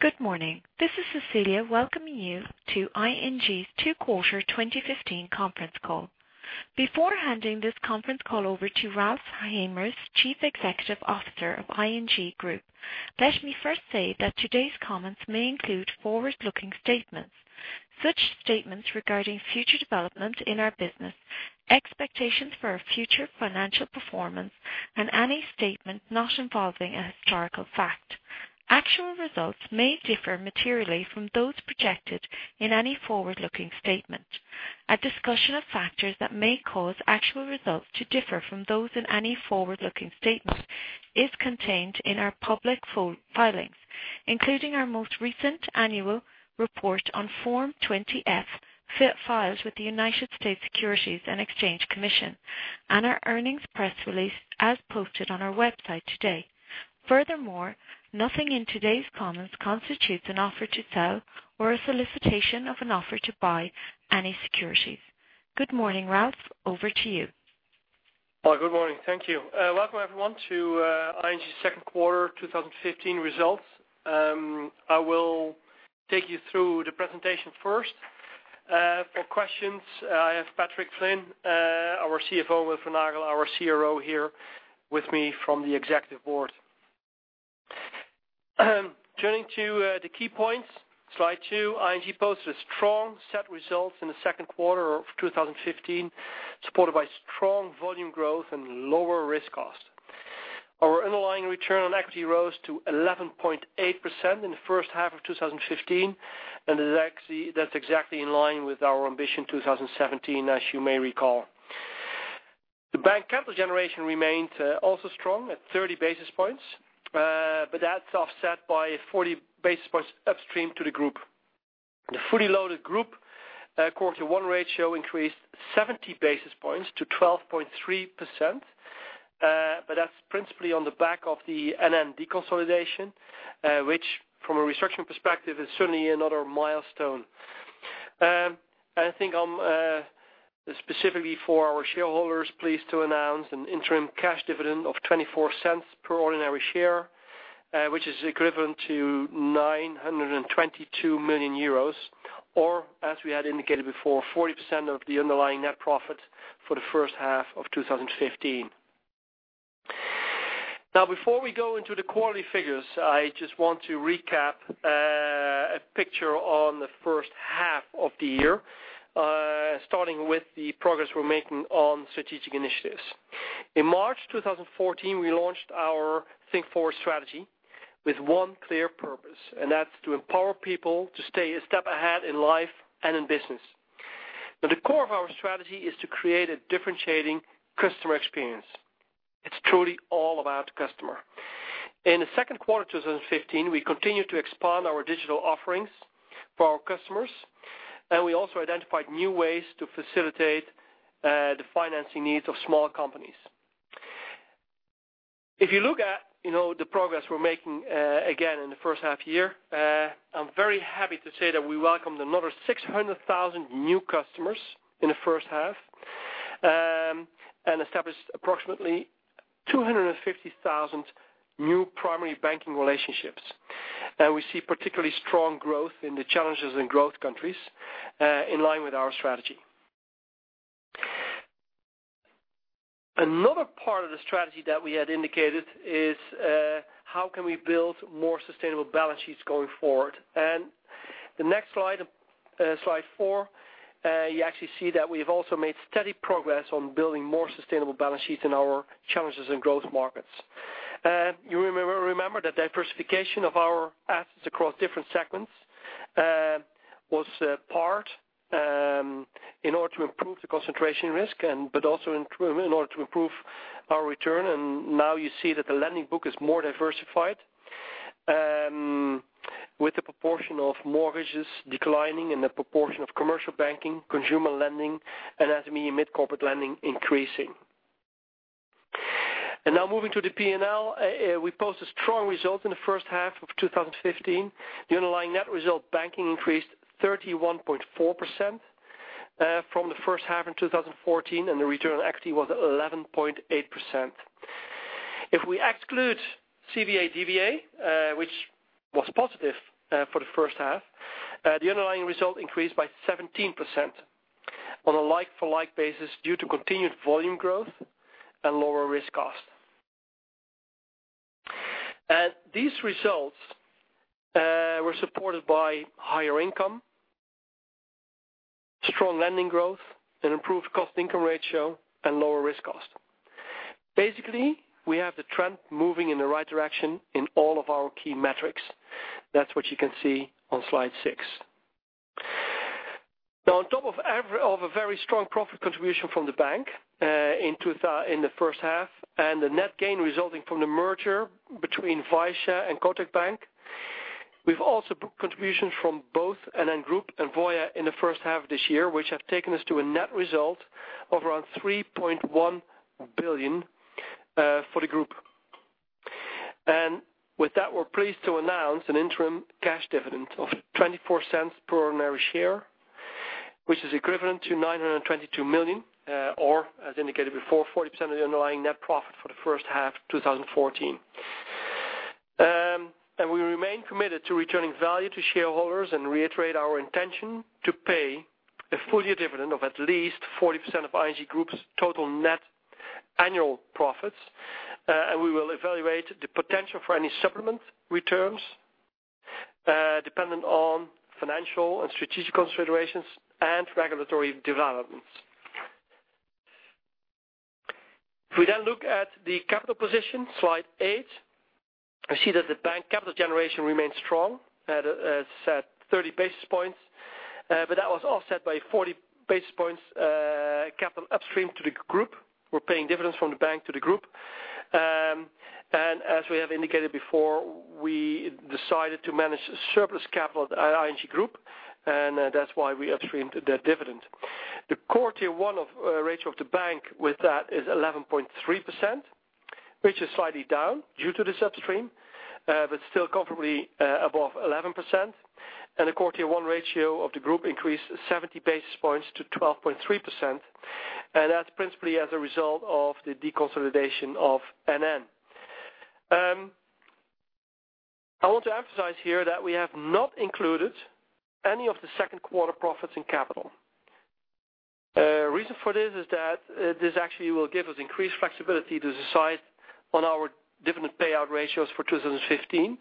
Good morning. This is Cecilia welcoming you to ING's two quarter 2015 conference call. Before handing this conference call over to Ralph Hamers, Chief Executive Officer of ING Groep, let me first say that today's comments may include forward-looking statements. Such statements regarding future development in our business, expectations for our future financial performance, and any statement not involving a historical fact. Actual results may differ materially from those projected in any forward-looking statement. A discussion of factors that may cause actual results to differ from those in any forward-looking statement is contained in our public filings, including our most recent annual report on Form 20-F, files with the United States Securities and Exchange Commission, and our earnings press release as posted on our website today. Nothing in today's comments constitutes an offer to sell or a solicitation of an offer to buy any securities. Good morning, Ralph. Over to you. Good morning. Thank you. Welcome everyone to ING's second quarter 2015 results. I will take you through the presentation first. For questions, I have Patrick Flynn, our CFO, with Wilfred Nagel, our CRO here with me from the Executive Board. Turning to the key points. Slide two, ING posted strong set results in the second quarter of 2015, supported by strong volume growth and lower risk cost. Our underlying return on equity rose to 11.8% in the first half of 2015, that's exactly in line with our Ambition 2017, as you may recall. The bank capital generation remained also strong at 30 basis points, that's offset by 40 basis points upstream to the group. The fully loaded group Core Tier 1 ratio increased 70 basis points to 12.3%, that's principally on the back of the NN deconsolidation, which, from a restructuring perspective, is certainly another milestone. I think I'm, specifically for our shareholders, pleased to announce an interim cash dividend of 0.24 per ordinary share, which is equivalent to 922 million euros, or as we had indicated before, 40% of the underlying net profit for the first half of 2015. Before we go into the quarterly figures, I just want to recap a picture on the first half of the year, starting with the progress we're making on strategic initiatives. In March 2014, we launched our Think Forward strategy with one clear purpose, that's to empower people to stay a step ahead in life and in business. The core of our strategy is to create a differentiating customer experience. It's truly all about the customer. In the second quarter 2015, we continued to expand our digital offerings for our customers. We also identified new ways to facilitate the financing needs of small companies. If you look at the progress we're making again in the first half year, I'm very happy to say that we welcomed another 600,000 new customers in the first half, and established approximately 250,000 new primary banking relationships. We see particularly strong growth in the challenges in growth countries, in line with our strategy. Another part of the strategy that we had indicated is, how can we build more sustainable balance sheets going forward? The next slide four, you actually see that we've also made steady progress on building more sustainable balance sheets in our challenges and growth markets. You remember that diversification of our assets across different segments was part in order to improve the concentration risk, but also in order to improve our return. Now you see that the lending book is more diversified, with the proportion of mortgages declining and the proportion of commercial banking, consumer lending, and SME and mid corporate lending increasing. Now moving to the P&L, we post a strong result in the first half of 2015. The underlying net result banking increased 31.4% from the first half in 2014, and the return on equity was 11.8%. If we exclude CVA/DVA, which was positive for the first half, the underlying result increased by 17% on a like-for-like basis due to continued volume growth and lower risk cost. These results were supported by higher income, strong lending growth, an improved cost-income ratio, and lower risk cost. Basically, we have the trend moving in the right direction in all of our key metrics. That's what you can see on slide six. Now, on top of a very strong profit contribution from the bank in the first half and the net gain resulting from the merger between ING Vysya and Kotak Mahindra Bank, we've also booked contributions from both NN Group and Voya in the first half of this year, which have taken us to a net result of around 3.1 billion for the group. With that, we're pleased to announce an interim cash dividend of 0.24 per ordinary share. Which is equivalent to 922 million, or as indicated before, 40% of the underlying net profit for the first half 2014. We remain committed to returning value to shareholders and reiterate our intention to pay a full-year dividend of at least 40% of ING Group's total net annual profits. We will evaluate the potential for any supplement returns, dependent on financial and strategic considerations and regulatory developments. If we then look at the capital position, slide eight, we see that the bank capital generation remains strong at 30 basis points, but that was offset by 40 basis points capital upstream to the group. We're paying dividends from the bank to the group. As we have indicated before, we decided to manage surplus capital at ING Group, and that's why we upstreamed their dividend. The Core Tier 1 ratio of the bank with that is 11.3%, which is slightly down due to the upstream, but still comfortably above 11%. The Core Tier 1 ratio of the group increased 70 basis points to 12.3%, and that's principally as a result of the deconsolidation of NN. I want to emphasize here that we have not included any of the second quarter profits in capital. Reason for this is that this actually will give us increased flexibility to decide on our dividend payout ratios for 2015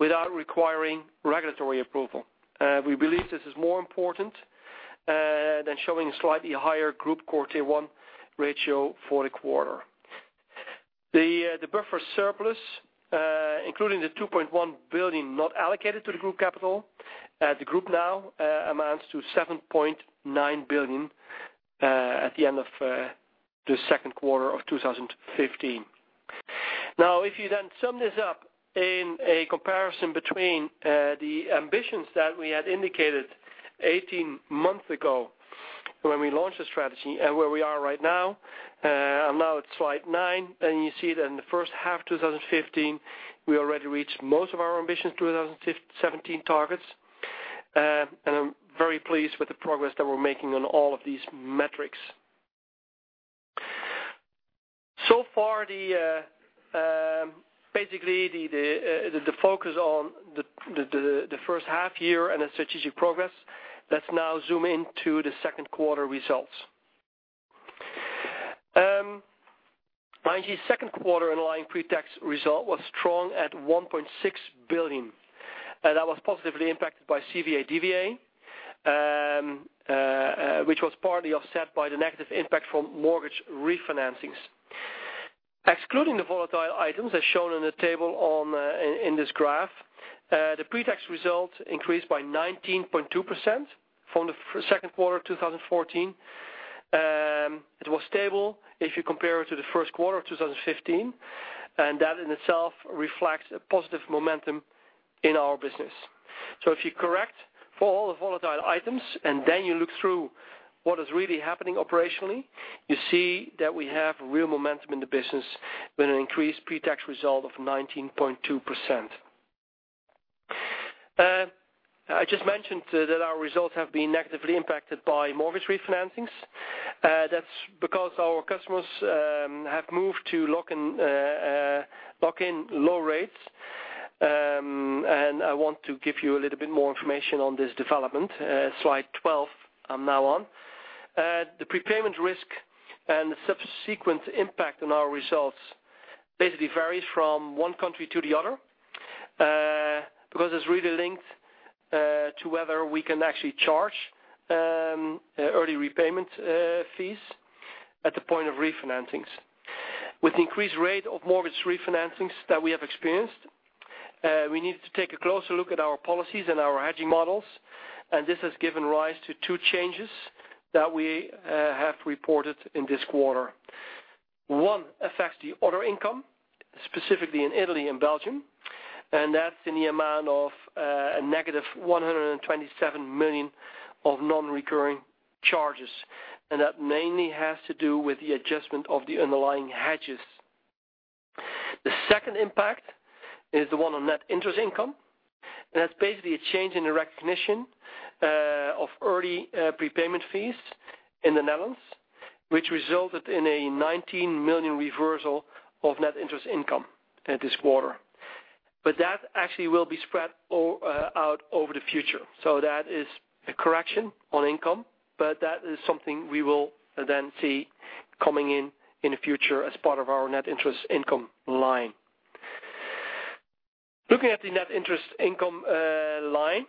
without requiring regulatory approval. We believe this is more important than showing a slightly higher group Core Tier 1 ratio for the quarter. The buffer surplus, including the 2.1 billion not allocated to the group capital, the group now amounts to 7.9 billion at the end of the second quarter of 2015. If you sum this up in a comparison between the ambitions that we had indicated 18 months ago when we launched the strategy and where we are right now. I'm now at slide nine, you see that in the first half 2015, we already reached most of our ambitions 2017 targets. I'm very pleased with the progress that we're making on all of these metrics. The focus on the first half year and the strategic progress, let's now zoom into the second quarter results. ING's second quarter underlying pretax result was strong at 1.6 billion. That was positively impacted by CVA/DVA, which was partly offset by the negative impact from mortgage refinancings. Excluding the volatile items as shown in the table in this graph, the pretax result increased by 19.2% from the second quarter of 2014. It was stable if you compare it to the first quarter of 2015, that in itself reflects a positive momentum in our business. If you correct for all the volatile items, you look through what is really happening operationally, you see that we have real momentum in the business with an increased pretax result of 19.2%. I just mentioned that our results have been negatively impacted by mortgage refinancings. That's because our customers have moved to lock in low rates. I want to give you a little bit more information on this development, slide 12, I'm now on. The prepayment risk and the subsequent impact on our results basically varies from one country to the other, because it's really linked to whether we can actually charge early repayment fees at the point of refinancings. With the increased rate of mortgage refinancings that we have experienced, we needed to take a closer look at our policies and our hedging models, this has given rise to two changes that we have reported in this quarter. One affects the other income, specifically in Italy and Belgium, that's in the amount of a negative 127 million of non-recurring charges. That mainly has to do with the adjustment of the underlying hedges. The second impact is the one on net interest income, that's basically a change in the recognition of early prepayment fees in the Netherlands, which resulted in a 19 million reversal of net interest income in this quarter. That actually will be spread out over the future. That is a correction on income, but that is something we will then see coming in in the future as part of our net interest income line. Looking at the net interest income line,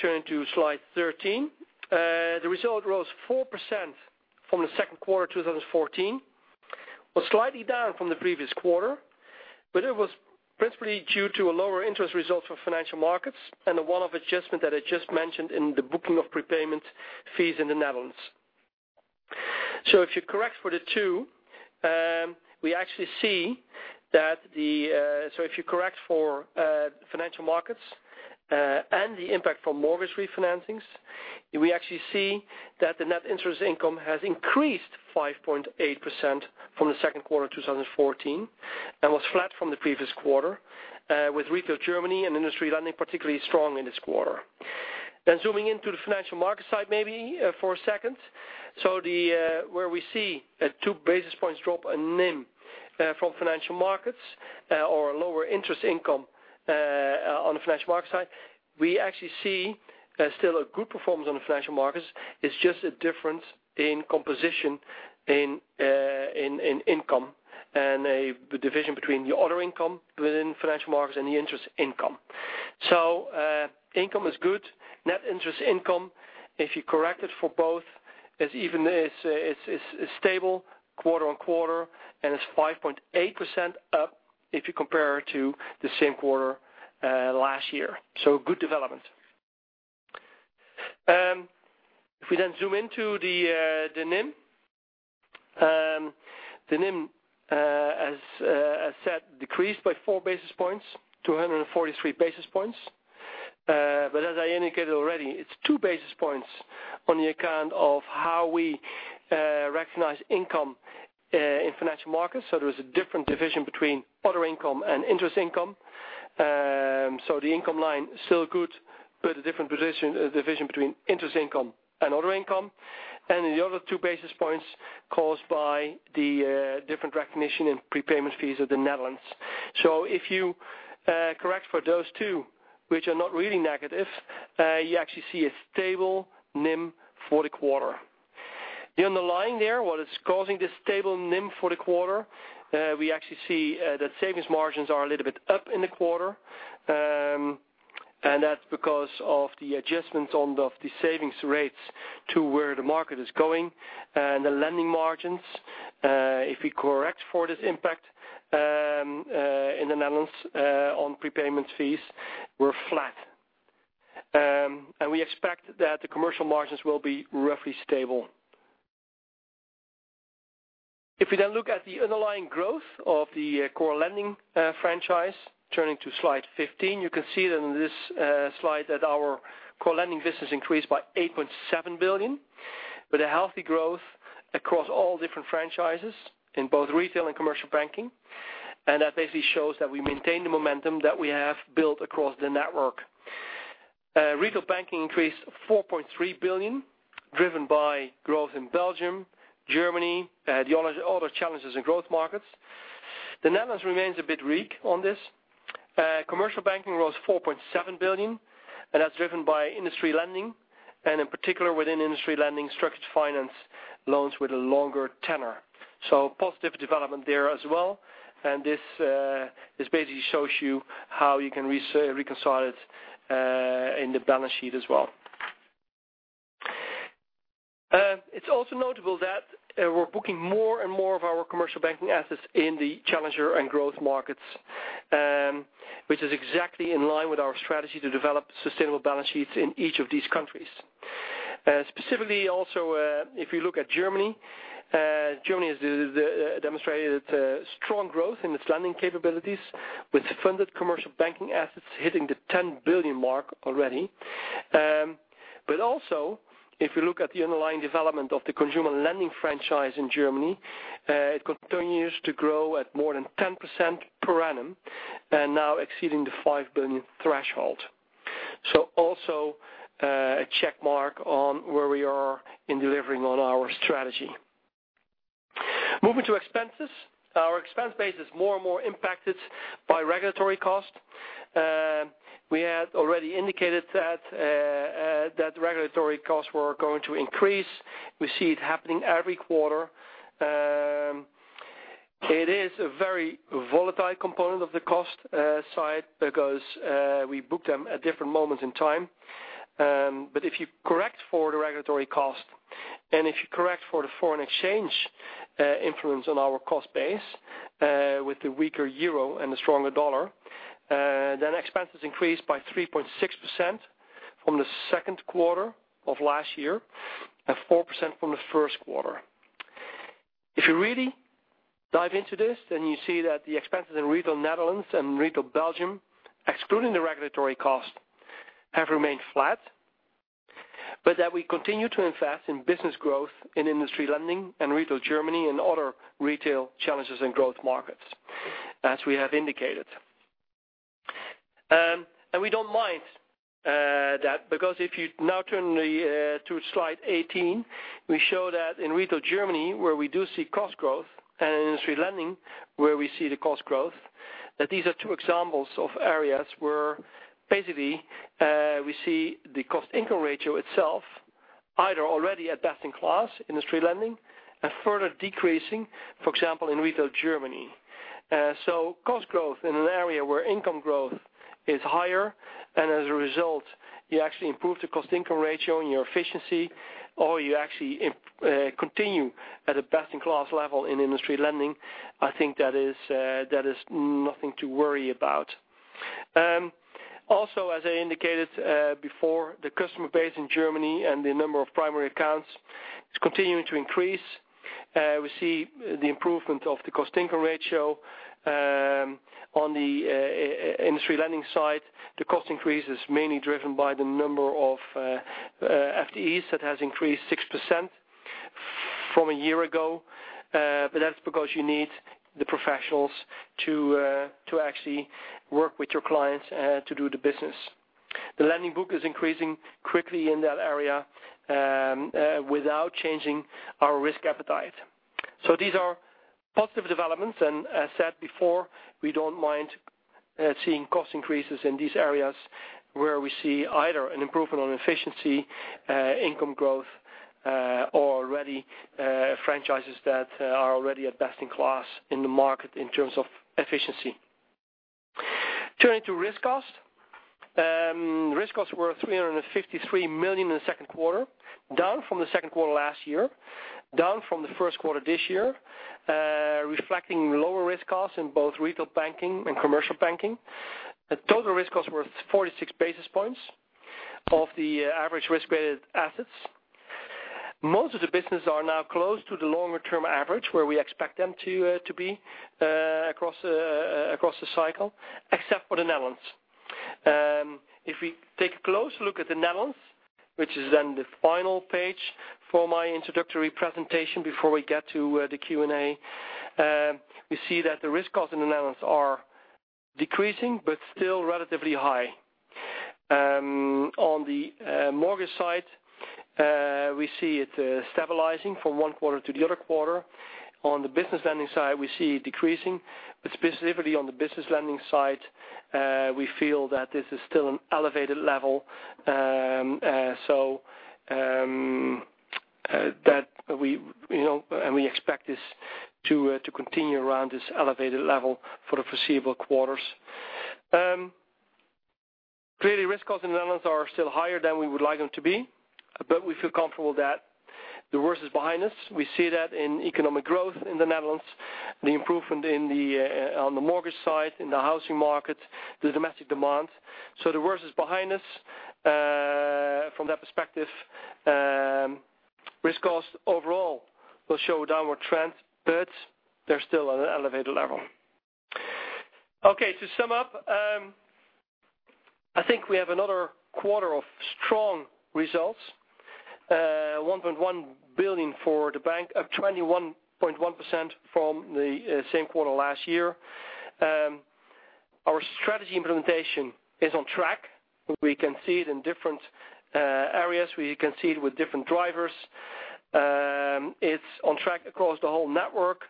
turning to slide 13. The result rose 4% from the second quarter 2014, was slightly down from the previous quarter, but it was principally due to a lower interest result for financial markets and a one-off adjustment that I just mentioned in the booking of prepayment fees in the Netherlands. If you correct for the two, we actually see that the. If you correct for financial markets and the impact from mortgage refinancings, we actually see that the net interest income has increased 5.8% from the second quarter of 2014 and was flat from the previous quarter, with Retail Germany and industry lending particularly strong in this quarter. Zooming into the financial markets side maybe for a second. Where we see a two basis points drop in NIM from financial markets or a lower interest income on the financial market side, we actually see still a good performance on the financial markets. It's just a difference in composition in income and the division between the other income within financial markets and the interest income. Income is good. Net interest income, if you correct it for both, it's stable quarter-on-quarter, and it's 5.8% up if you compare it to the same quarter last year. Good development. If we then zoom into the NIM. The NIM, as I said, decreased by four basis points to 143 basis points. But as I indicated already, it's two basis points on the account of how we recognize income in financial markets. There is a different division between other income and interest income. The income line is still good, but a different division between interest income and other income, and the other two basis points caused by the different recognition in prepayment fees of the Netherlands. If you correct for those two, which are not really negative, you actually see a stable NIM for the quarter. The underlying there, what is causing this stable NIM for the quarter, we actually see that savings margins are a little bit up in the quarter, and that's because of the adjustments on the savings rates to where the market is going. And the lending margins, if we correct for this impact, in the Netherlands, on prepayment fees, were flat. And we expect that the commercial margins will be roughly stable. If we then look at the underlying growth of the core lending franchise, turning to slide 15, you can see that in this slide that our core lending business increased by 8.7 billion, with a healthy growth across all different franchises in both retail and commercial banking. And that basically shows that we maintain the momentum that we have built across the network. Retail banking increased 4.3 billion, driven by growth in Belgium, Germany, the other challenges in growth markets. The Netherlands remains a bit weak on this. Commercial banking was 4.7 billion, and that's driven by industry lending and in particular within industry lending, structured finance loans with a longer tenor. Positive development there as well, and this basically shows you how you can reconcile it in the balance sheet as well. It's also notable that we're booking more and more of our commercial banking assets in the challenger and growth markets, which is exactly in line with our strategy to develop sustainable balance sheets in each of these countries. Specifically, if you look at Germany has demonstrated strong growth in its lending capabilities with funded commercial banking assets hitting the 10 billion mark already. Also, if you look at the underlying development of the consumer lending franchise in Germany, it continues to grow at more than 10% per annum and now exceeding the 5 billion threshold. Also a check mark on where we are in delivering on our strategy. Moving to expenses. Our expense base is more and more impacted by regulatory costs. We had already indicated that regulatory costs were going to increase. We see it happening every quarter. It is a very volatile component of the cost side because we book them at different moments in time. If you correct for the regulatory cost and if you correct for the foreign exchange influence on our cost base with the weaker EUR and the stronger USD, then expenses increased by 3.6% from the second quarter of last year and 4% from the first quarter. If you really dive into this, then you see that the expenses in Retail Netherlands and Retail Belgium, excluding the regulatory costs, have remained flat, that we continue to invest in business growth in industry lending and Retail Germany and other retail challenges in growth markets, as we have indicated. We don't mind that because if you now turn to slide 18, we show that in Retail Germany, where we do see cost growth, and in industry lending, where we see the cost growth, that these are two examples of areas where basically we see the cost-income ratio itself either already at best in class, industry lending, and further decreasing, for example, in Retail Germany. Cost growth in an area where income growth is higher and as a result, you actually improve the cost-income ratio and your efficiency, or you actually continue at a best-in-class level in industry lending. I think that is nothing to worry about. Also, as I indicated before, the customer base in Germany and the number of primary accounts is continuing to increase. We see the improvement of the cost-income ratio on the industry lending side. The cost increase is mainly driven by the number of FTEs that has increased 6%. That's because you need the professionals to actually work with your clients to do the business. The lending book is increasing quickly in that area without changing our risk appetite. These are positive developments, as said before, we don't mind seeing cost increases in these areas where we see either an improvement on efficiency, income growth, or franchises that are already at best in class in the market in terms of efficiency. Turning to risk cost. Risk costs were 353 million in the second quarter, down from the second quarter last year, down from the first quarter this year, reflecting lower risk costs in both retail banking and commercial banking. The total risk costs were 46 basis points of the average risk-weighted assets. Most of the business are now close to the longer-term average, where we expect them to be across the cycle, except for the Netherlands. If we take a close look at the Netherlands, which is the final page for my introductory presentation before we get to the Q&A, we see that the risk costs in the Netherlands are decreasing, but still relatively high. On the mortgage side, we see it stabilizing from one quarter to the other quarter. On the business lending side, we see it decreasing, but specifically on the business lending side, we feel that this is still an an elevated level, and we expect this to continue around this elevated level for the foreseeable quarters. Clearly, risk costs in the Netherlands are still higher than we would like them to be, but we feel comfortable that the worst is behind us. We see that in economic growth in the Netherlands, the improvement on the mortgage side, in the housing market, the domestic demand. The worst is behind us. From that perspective risk costs overall will show a downward trend, but they're still at an elevated level. To sum up, I think we have another quarter of strong results. 1.1 billion for the bank, up 21.1% from the same quarter last year. Our strategy implementation is on track. We can see it in different areas. We can see it with different drivers. It's on track across the whole network.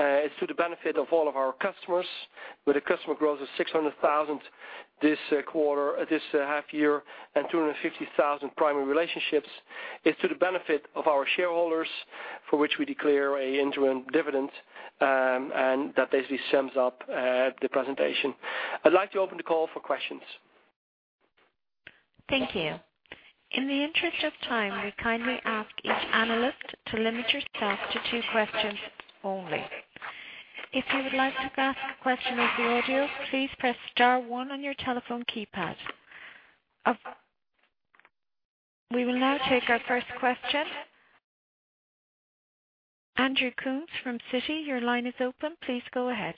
It's to the benefit of all of our customers, with the customer growth of 600,000 this half year and 250,000 primary relationships. It's to the benefit of our shareholders, for which we declare an interim dividend, and that basically sums up the presentation. I'd like to open the call for questions. Thank you. In the interest of time, we kindly ask each analyst to limit yourself to two questions only. If you would like to ask a question over audio, please press star one on your telephone keypad. We will now take our first question. Andrew Coombs from Citi, your line is open. Please go ahead.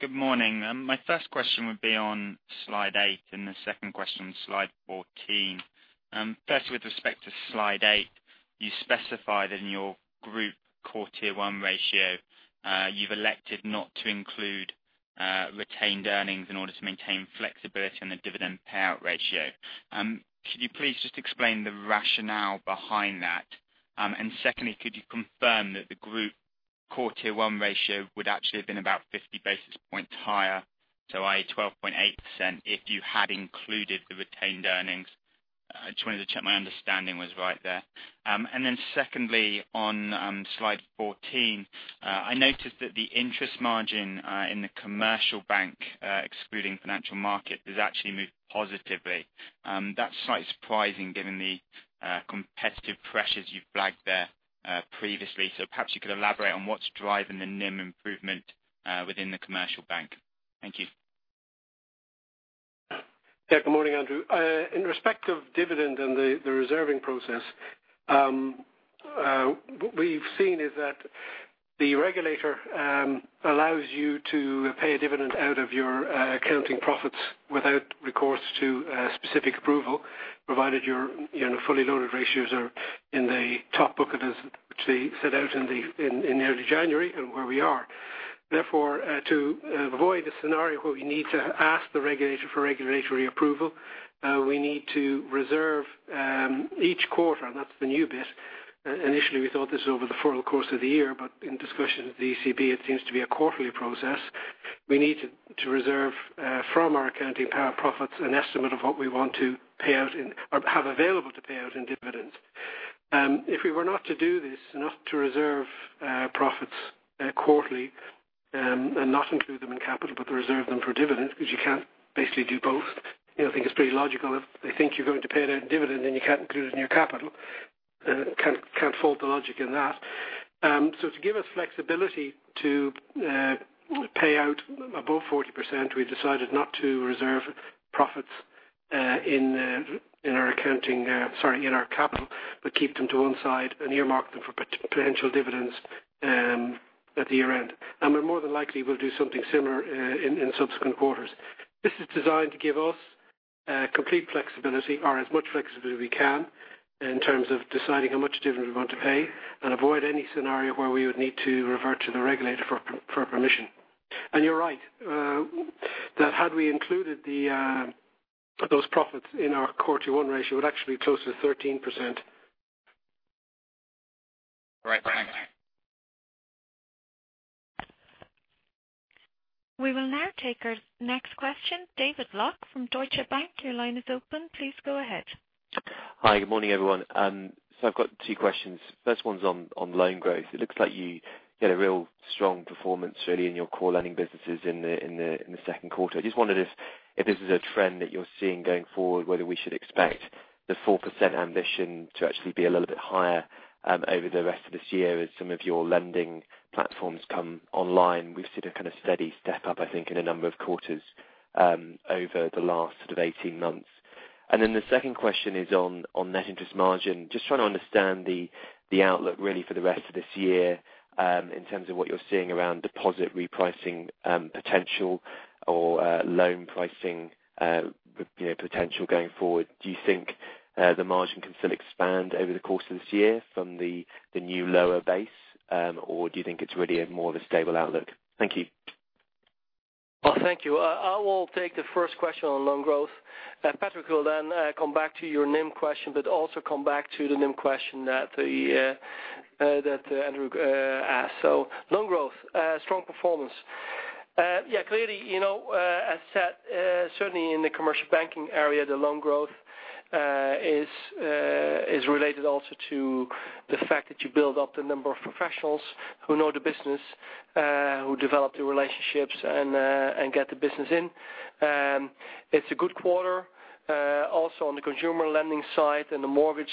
Good morning. My first question would be on slide eight and the second question on slide 14. First with respect to slide eight, you specified in your group Core Tier 1 ratio, you've elected not to include retained earnings in order to maintain flexibility on the dividend payout ratio. Could you please just explain the rationale behind that? Secondly, could you confirm that the group Core Tier 1 ratio would actually have been about 50 basis points higher, i.e., 12.8%, if you had included the retained earnings? Just wanted to check my understanding was right there. Secondly, on slide 14, I noticed that the interest margin in the commercial bank, excluding financial market, has actually moved positively. That's slightly surprising given the competitive pressures you've flagged there previously. Perhaps you could elaborate on what's driving the NIM improvement within the commercial bank. Thank you. Good morning, Andrew. In respect of dividend and the reserving process, what we've seen is that the regulator allows you to pay a dividend out of your accounting profits without recourse to specific approval, provided your fully loaded ratios are in the top bucket, as actually set out in early January, and where we are. To avoid a scenario where we need to ask the regulator for regulatory approval, we need to reserve each quarter, and that's the new bit. Initially, we thought this over the full course of the year, in discussions with the ECB, it seems to be a quarterly process. We need to reserve from our accounting profits, an estimate of what we want to have available to pay out in dividends. If we were not to do this, not to reserve profits quarterly, and not include them in capital, but reserve them for dividends, because you can't basically do both. I think it's pretty logical. If they think you're going to pay it out in dividend, then you can't include it in your capital. Can't fault the logic in that. To give us flexibility to pay out above 40%, we've decided not to reserve profits in our capital, but keep them to one side and earmark them for potential dividends at the year-end. We more than likely will do something similar in subsequent quarters. This is designed to give us Complete flexibility or as much flexibility as we can in terms of deciding how much dividend we want to pay and avoid any scenario where we would need to revert to the regulator for permission. You're right, that had we included those profits in our Core Tier 1 ratio, it would actually be closer to 13%. Right. We will now take our next question. David Lock from Deutsche Bank, your line is open. Please go ahead. Hi. Good morning, everyone. I've got two questions. First one's on loan growth. It looks like you get a real strong performance really in your core lending businesses in the second quarter. I just wondered if this is a trend that you're seeing going forward, whether we should expect the 4% ambition to actually be a little bit higher over the rest of this year as some of your lending platforms come online. We've seen a kind of steady step up, I think, in a number of quarters over the last sort of 18 months. The second question is on net interest margin. Just trying to understand the outlook really for the rest of this year, in terms of what you're seeing around deposit repricing potential or loan pricing potential going forward. Do you think the margin can still expand over the course of this year from the new lower base? Do you think it's really a more of a stable outlook? Thank you. Well, thank you. I will take the first question on loan growth. Patrick will then come back to your NIM question, but also come back to the NIM question that Andrew asked. Loan growth, strong performance. Clearly, as set, certainly in the commercial banking area, the loan growth is related also to the fact that you build up the number of professionals who know the business, who develop the relationships, and get the business in. It's a good quarter. Also on the consumer lending side and the mortgage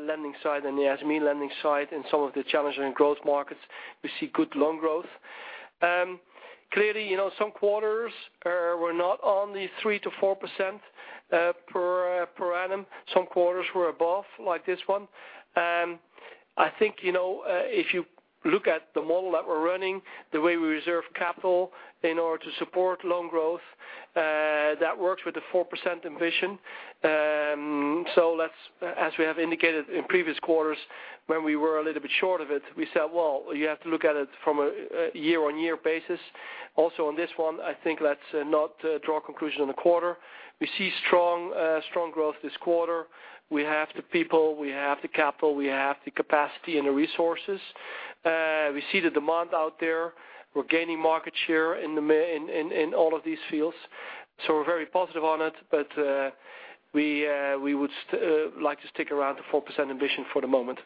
lending side and the SME lending side in some of the challenging growth markets, we see good loan growth. Clearly, some quarters were not on the 3% to 4% per annum. Some quarters were above, like this one. I think, if you look at the model that we're running, the way we reserve capital in order to support loan growth, that works with the 4% ambition. Let's, as we have indicated in previous quarters when we were a little bit short of it, we said, well, you have to look at it from a year-on-year basis. Also on this one, I think let's not draw conclusions on the quarter. We see strong growth this quarter. We have the people, we have the capital, we have the capacity and the resources. We see the demand out there. We're gaining market share in all of these fields. We're very positive on it, but we would like to stick around the 4% ambition for the moment.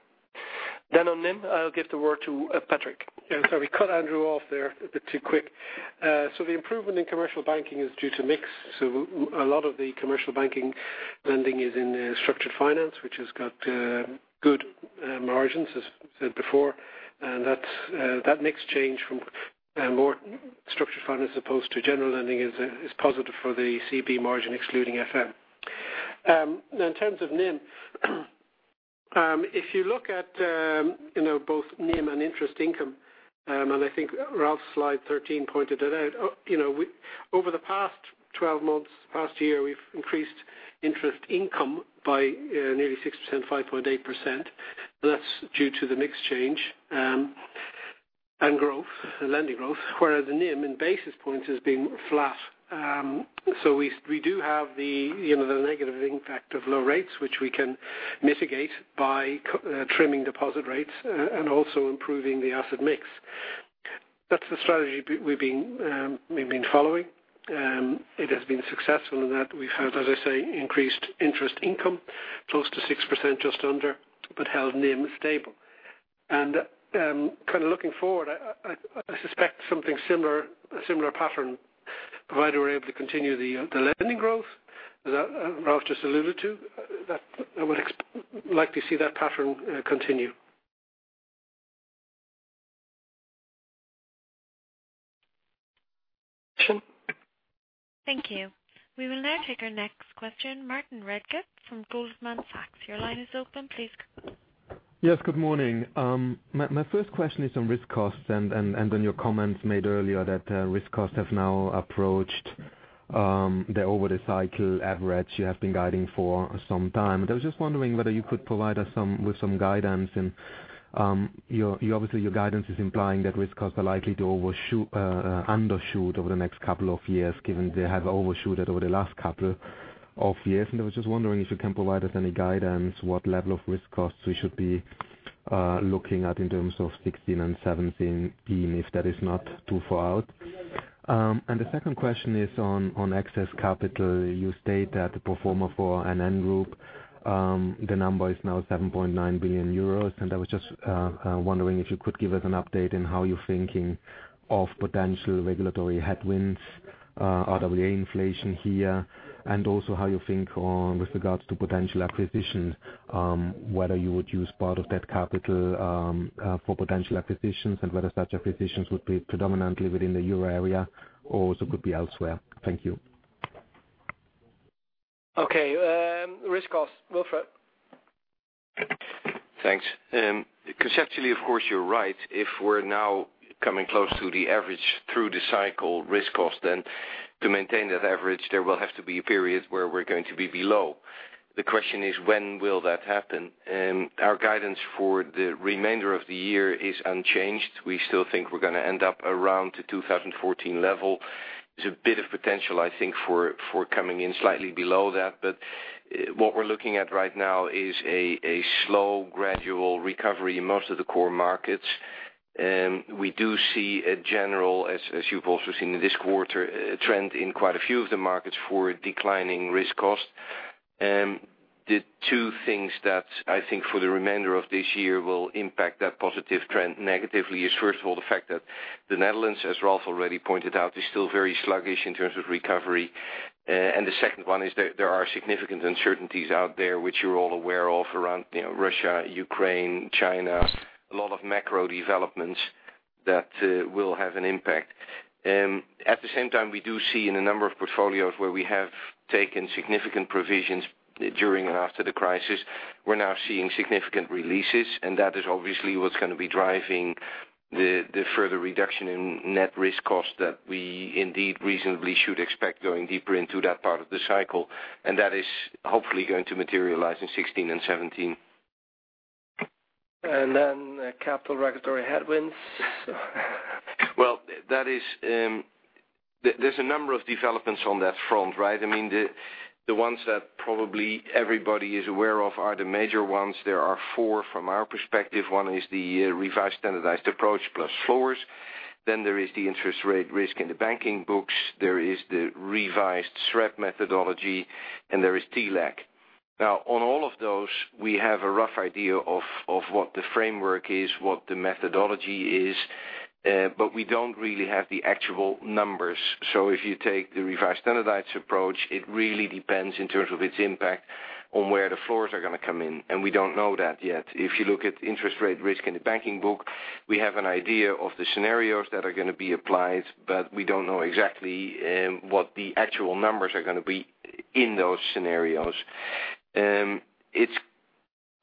On NIM, I'll give the word to Patrick. Sorry, cut Andrew off there a bit too quick. The improvement in commercial banking is due to mix. A lot of the commercial banking lending is in structured finance, which has got good margins, as said before. That mix change from more structured finance as opposed to general lending is positive for the CB margin excluding FM. In terms of NIM, if you look at both NIM and interest income, and I think Ralph's slide 13 pointed it out. Over the past 12 months, past year, we've increased interest income by nearly 6%, 5.8%, and that's due to the mix change and growth, the lending growth, whereas the NIM in basis points has been flat. We do have the negative impact of low rates, which we can mitigate by trimming deposit rates and also improving the asset mix. That's the strategy we've been following. It has been successful in that we've had, as I say, increased interest income close to 6%, just under, but held NIM stable. Kind of looking forward, I suspect something similar, a similar pattern, provided we're able to continue the lending growth that Ralph just alluded to, I would likely see that pattern continue. Thank you. We will now take our next question. Martin Rechtin from Goldman Sachs, your line is open, please. Good morning. My first question is on risk costs and on your comments made earlier that risk costs have now approached the over the cycle average you have been guiding for some time. I was just wondering whether you could provide us with some guidance. Obviously, your guidance is implying that risk costs are likely to undershoot over the next couple of years, given they have overshot it over the last couple of years. I was just wondering if you can provide us any guidance, what level of risk costs we should be looking at in terms of 2016 and 2017, if that is not too far out. The second question is on excess capital. You state that the pro forma for NN Group, the number is now 7.9 billion euros, and I was just wondering if you could give us an update in how you're thinking of potential regulatory headwinds, RWA inflation here, and also how you think with regards to potential acquisitions, whether you would use part of that capital for potential acquisitions and whether such acquisitions would be predominantly within the Euro area or also could be elsewhere. Thank you. Okay. Risk costs, Wilfred. Thanks. Conceptually, of course, you're right. If we're now coming close to the average through the cycle risk cost, then to maintain that average, there will have to be a period where we're going to be below. The question is, when will that happen? Our guidance for the remainder of the year is unchanged. We still think we're going to end up around the 2014 level. There's a bit of potential, I think, for coming in slightly below that. What we're looking at right now is a slow gradual recovery in most of the core markets. We do see a general, as you've also seen in this quarter, trend in quite a few of the markets for declining risk cost. The two things that I think for the remainder of this year will impact that positive trend negatively is, first of all, the fact that the Netherlands, as Ralph already pointed out, is still very sluggish in terms of recovery. The second one is there are significant uncertainties out there, which you're all aware of around Russia, Ukraine, China, a lot of macro developments that will have an impact. At the same time, we do see in a number of portfolios where we have taken significant provisions during and after the crisis. We're now seeing significant releases, and that is obviously what's going to be driving the further reduction in net risk cost that we indeed reasonably should expect going deeper into that part of the cycle. That is hopefully going to materialize in 2016 and 2017. Capital regulatory headwinds. There's a number of developments on that front, right? The ones that probably everybody is aware of are the major ones. There are four from our perspective. One is the revised standardized approach plus floors. There is the interest rate risk in the banking books. There is the revised SREP methodology, and there is TLAC. On all of those, we have a rough idea of what the framework is, what the methodology is, but we don't really have the actual numbers. If you take the revised standardized approach, it really depends in terms of its impact on where the floors are going to come in, and we don't know that yet. If you look at interest rate risk in the banking book, we have an idea of the scenarios that are going to be applied, but we don't know exactly what the actual numbers are going to be in those scenarios. It's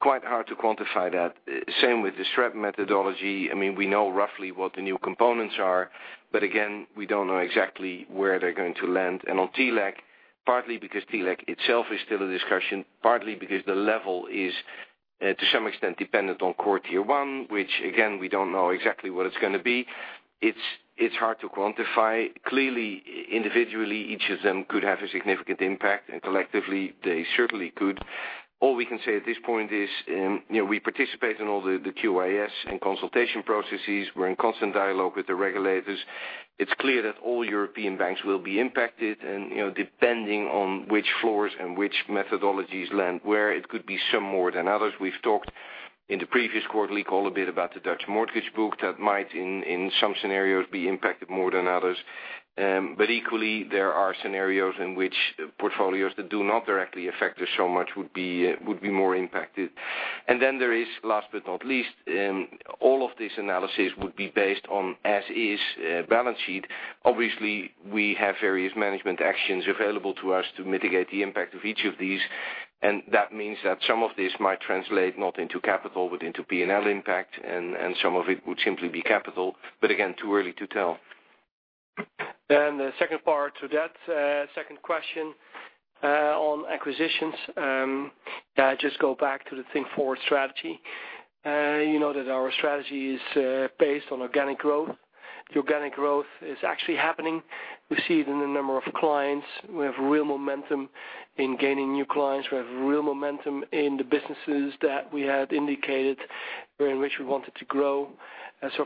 quite hard to quantify that. Same with the SREP methodology. We know roughly what the new components are, but again, we don't know exactly where they're going to land. On TLAC, partly because TLAC itself is still a discussion, partly because the level is to some extent dependent on Core Tier 1, which again, we don't know exactly what it's going to be. It's hard to quantify. Clearly, individually, each of them could have a significant impact, and collectively they certainly could. All we can say at this point is we participate in all the QIS and consultation processes. We're in constant dialogue with the regulators. It's clear that all European banks will be impacted, and depending on which floors and which methodologies land where, it could be some more than others. We've talked in the previous quarterly call a bit about the Dutch mortgage book that might, in some scenarios, be impacted more than others. Equally, there are scenarios in which portfolios that do not directly affect us so much would be more impacted. There is, last but not least, all of this analysis would be based on as is balance sheet. Obviously, we have various management actions available to us to mitigate the impact of each of these, and that means that some of this might translate not into capital, but into P&L impact, and some of it would simply be capital. Again, too early to tell. The second part to that second question on acquisitions. I just go back to the Think Forward strategy. You know that our strategy is based on organic growth. The organic growth is actually happening. We see it in the number of clients. We have real momentum in gaining new clients. We have real momentum in the businesses that we had indicated in which we wanted to grow.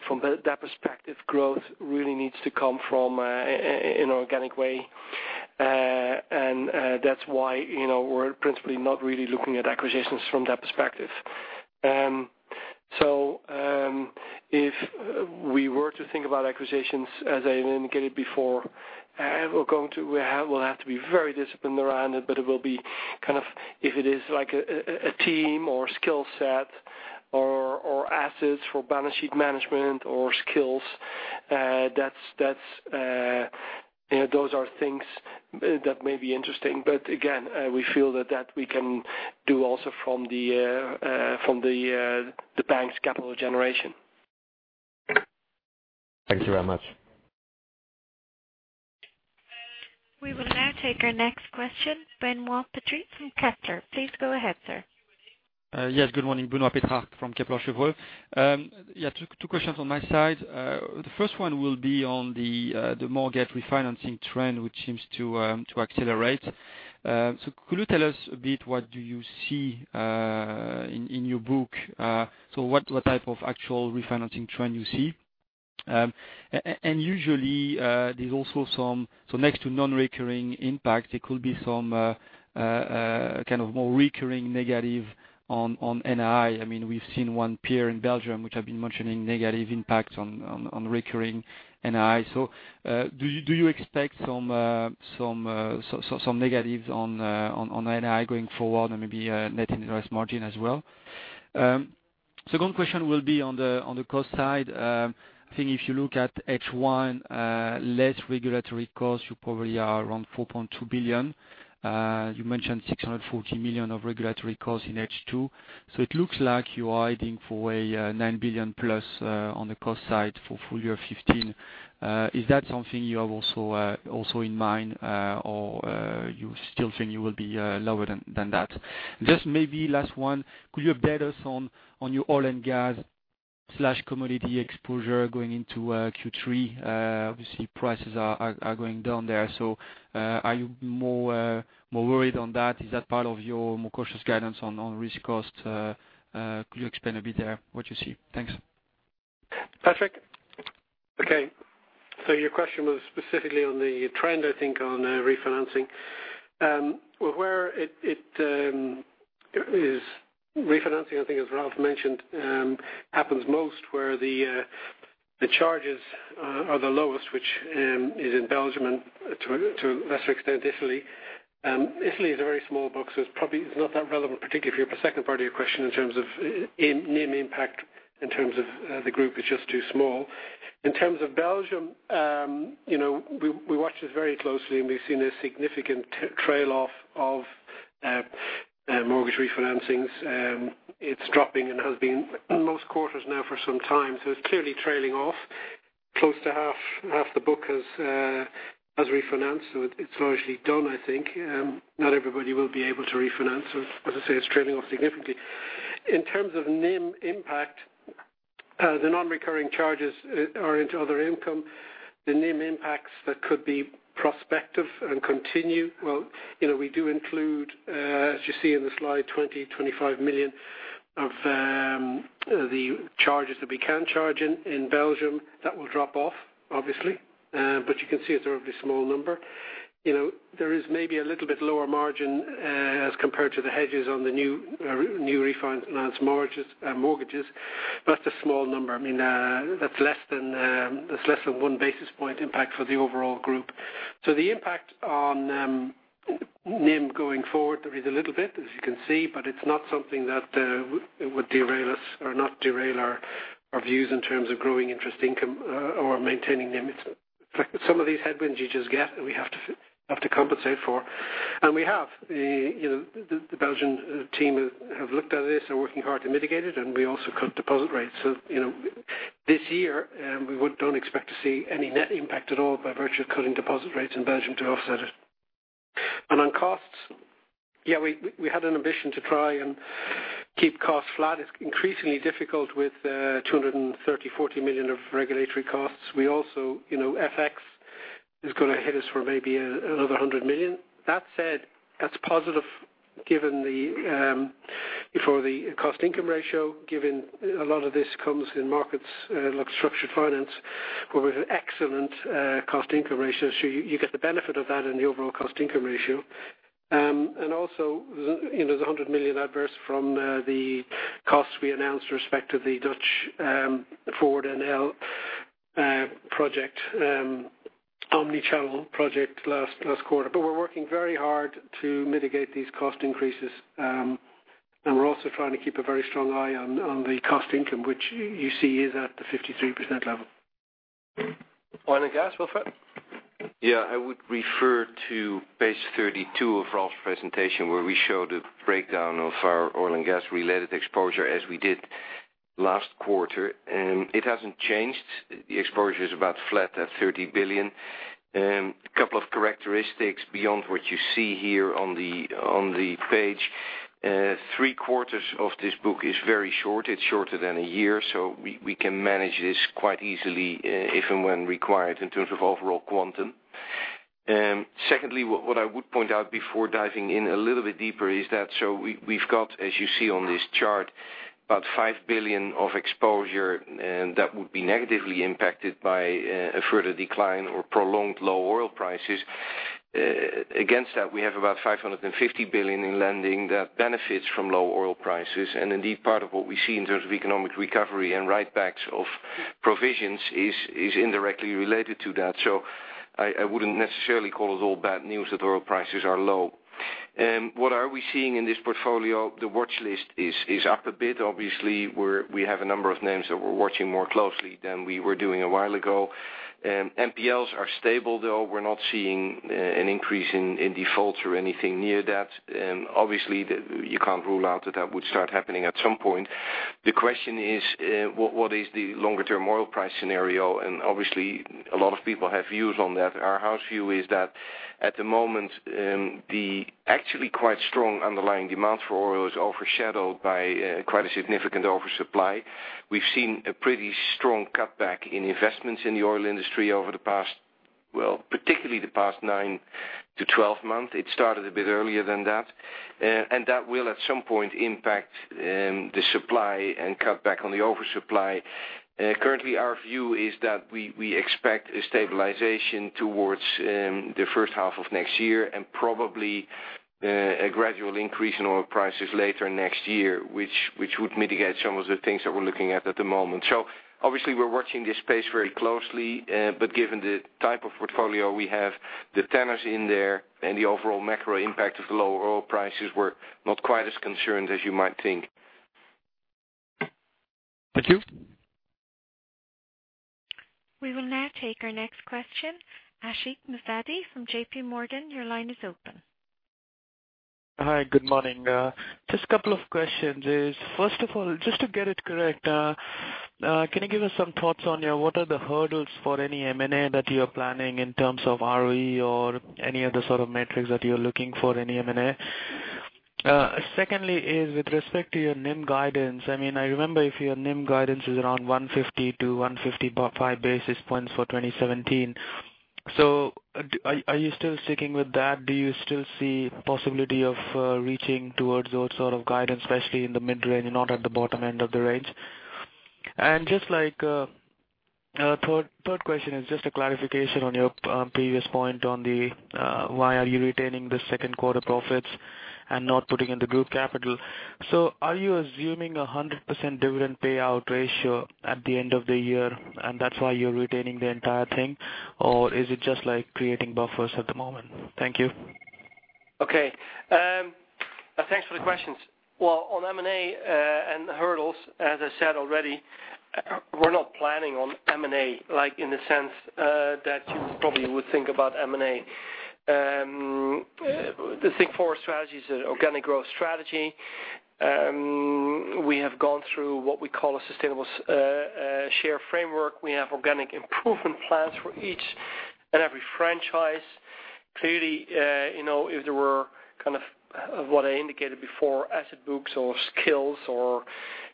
From that perspective, growth really needs to come from an organic way. That's why we're principally not really looking at acquisitions from that perspective. If we were to think about acquisitions, as I indicated before, we'll have to be very disciplined around it, but it will be, if it is a team or skill set or assets for balance sheet management or skills, those are things that may be interesting. Again, we feel that we can do also from the bank's capital generation. Thank you very much. We will now take our next question, Benoit Pétrarque from Kepler. Please go ahead, sir. Yes, good morning, Benoit Pétrarque from Kepler Cheuvreux. Two questions on my side. The first one will be on the mortgage refinancing trend, which seems to accelerate. Could you tell us a bit what do you see in your book? What type of actual refinancing trend you see? Usually, there's also some next to non-recurring impact, there could be some more recurring negative on NII. We've seen one peer in Belgium, which have been mentioning negative impact on recurring NII. Do you expect some negatives on NII going forward and maybe net interest margin as well? Second question will be on the cost side. I think if you look at H1, less regulatory costs, you probably are around 4.2 billion. You mentioned 640 million of regulatory costs in H2. It looks like you are heading for a nine billion+ on the cost side for full year 2015. Is that something you have also in mind, or you still think you will be lower than that? Just maybe last one, could you update us on your oil and gas/commodity exposure going into Q3? Obviously, prices are going down there. Are you more worried on that? Is that part of your more cautious guidance on risk cost? Could you expand a bit there what you see? Thanks. Patrick. Okay. Your question was specifically on the trend, I think on refinancing. Where it is refinancing, I think as Ralph mentioned, happens most where the charges are the lowest, which is in Belgium and to a lesser extent, Italy. Italy is a very small book, so it's not that relevant, particularly for the second part of your question in terms of NIM impact, in terms of the group is just too small. In terms of Belgium, we watch this very closely, and we've seen a significant trail off of mortgage refinancings. It's dropping and has been most quarters now for some time. It's clearly trailing off. Close to half the book has refinanced, so it's largely done, I think. Not everybody will be able to refinance. As I say, it's trailing off significantly. In terms of NIM impact, the non-recurring charges are into other income. The NIM impacts that could be prospective and continue, well, we do include, as you see in the slide, 20 million-25 million of the charges that we can charge in Belgium. That will drop off, obviously. You can see it's a relatively small number. There is maybe a little bit lower margin as compared to the hedges on the new refinanced mortgages. That's a small number. That's less than one basis point impact for the overall group. The impact on NIM going forward, there is a little bit, as you can see, but it's not something that would derail us or not derail our views in terms of growing interest income or maintaining NIM. In fact, some of these headwinds you just get, and we have to compensate for. We have. The Belgian team have looked at this and working hard to mitigate it. We also cut deposit rates. This year, we don't expect to see any net impact at all by virtue of cutting deposit rates in Belgium to offset it. On costs, we had an ambition to try and keep costs flat. It's increasingly difficult with 230 million-240 million of regulatory costs. FX is going to hit us for maybe another 100 million. That said, that's positive for the cost income ratio, given a lot of this comes in markets like structured finance, where we've an excellent cost income ratio. You get the benefit of that in the overall cost income ratio. Also, there's 100 million adverse from the costs we announced respect to the Dutch Forward NL project, omni-channel project last quarter. We're working very hard to mitigate these cost increases. We're also trying to keep a very strong eye on the cost income, which you see is at the 53% level. Oil and gas, Wilfried. I would refer to page 32 of Ralph's presentation, where we show the breakdown of our oil and gas-related exposure as we did last quarter. It hasn't changed. The exposure is about flat at 30 billion. A couple of characteristics beyond what you see here on the page. Three quarters of this book is very short. It's shorter than a year. We can manage this quite easily if and when required in terms of overall quantum. Secondly, what I would point out before diving in a little bit deeper is that we've got, as you see on this chart, about 5 billion of exposure. That would be negatively impacted by a further decline or prolonged low oil prices. Against that, we have about 550 billion in lending that benefits from low oil prices. Indeed, part of what we see in terms of economic recovery and write backs of provisions is indirectly related to that. I wouldn't necessarily call it all bad news that oil prices are low. What are we seeing in this portfolio? The watchlist is up a bit. Obviously, we have a number of names that we're watching more closely than we were doing a while ago. NPLs are stable, though we're not seeing an increase in defaults or anything near that. Obviously, you can't rule out that that would start happening at some point. The question is, what is the longer-term oil price scenario? And obviously, a lot of people have views on that. Our house view is that at the moment, the actually quite strong underlying demand for oil is overshadowed by quite a significant oversupply. We've seen a pretty strong cutback in investments in the oil industry over the past, well, particularly the past nine to 12 months. It started a bit earlier than that. That will, at some point, impact the supply and cut back on the oversupply. Currently, our view is that we expect a stabilization towards the first half of next year and probably a gradual increase in oil prices later next year, which would mitigate some of the things that we're looking at the moment. Obviously, we're watching this space very closely, but given the type of portfolio we have, the tenants in there, and the overall macro impact of the low oil prices, we're not quite as concerned as you might think. Thank you. We will now take our next question. Aashish Mohati from JPMorgan, your line is open. Hi. Good morning. Just a couple of questions. First of all, just to get it correct, can you give us some thoughts on what are the hurdles for any M&A that you're planning in terms of ROE or any other sort of metrics that you're looking for in M&A? Secondly, with respect to your NIM guidance, I remember if your NIM guidance is around 150 to 155 basis points for 2017. Are you still sticking with that? Do you still see possibility of reaching towards those sort of guidance, especially in the mid-range, not at the bottom end of the range? Third question is just a clarification on your previous point on why are you retaining the second quarter profits and not putting in the group capital. Are you assuming 100% dividend payout ratio at the end of the year, and that's why you're retaining the entire thing? Is it just like creating buffers at the moment? Thank you. Okay. Thanks for the questions. Well, on M&A, and hurdles, as I said already, we're not planning on M&A like in the sense that you probably would think about M&A. The Think Forward strategy is an organic growth strategy. We have gone through what we call a sustainable share framework. We have organic improvement plans for each and every franchise. Clearly, if there were, what I indicated before, asset books or skills or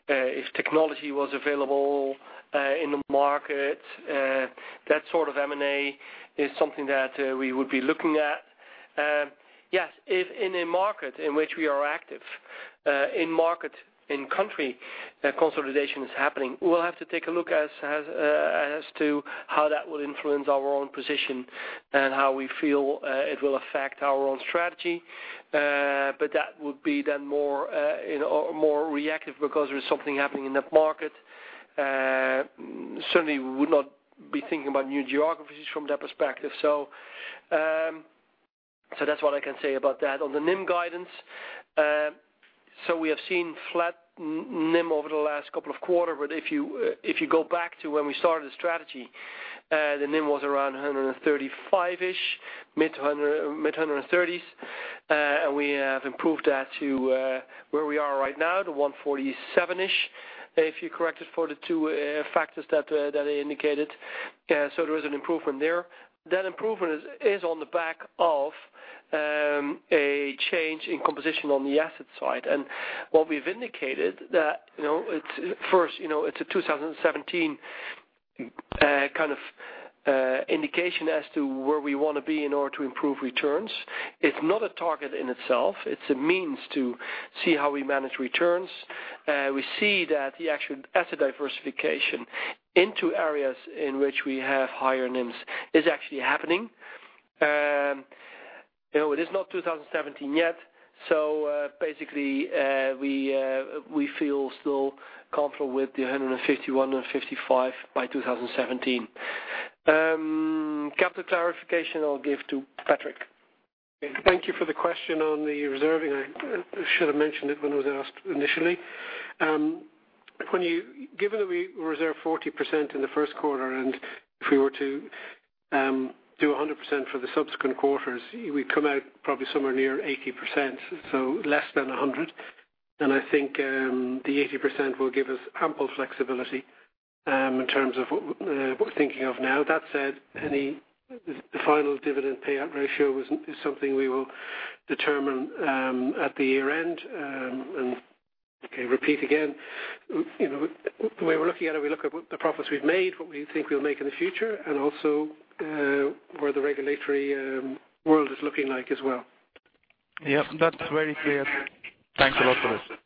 if technology was available in the market, that sort of M&A is something that we would be looking at. Yes, if in a market in which we are active, in market, in country, consolidation is happening, we'll have to take a look as to how that will influence our own position and how we feel it will affect our own strategy. That would be then more reactive because there's something happening in that market. Certainly, we would not be thinking about new geographies from that perspective. That's what I can say about that. On the NIM guidance, we have seen flat NIM over the last couple of quarter, if you go back to when we started the strategy, the NIM was around 135-ish, mid-130s. We have improved that to where we are right now, to 147-ish. If you correct it for the two factors that I indicated. There is an improvement there. That improvement is on the back of a change in composition on the asset side. What we've indicated that, first, it's a 2017 indication as to where we want to be in order to improve returns. It's not a target in itself. It's a means to see how we manage returns. We see that the actual asset diversification into areas in which we have higher NIMs is actually happening. It is not 2017 yet, basically, we feel still comfortable with the 151 and 155 by 2017. Capital clarification, I'll give to Patrick. Thank you for the question on the reserving. I should have mentioned it when it was asked initially. Given that we reserve 40% in the first quarter, if we were to do 100% for the subsequent quarters, we'd come out probably somewhere near 80%, less than 100. I think the 80% will give us ample flexibility, in terms of what we're thinking of now. That said, the final dividend payout ratio is something we will determine at the year-end. Okay, repeat again. The way we're looking at it, we look at the profits we've made, what we think we'll make in the future, and also what the regulatory world is looking like as well. Yep, that's very clear. Thanks a lot for this.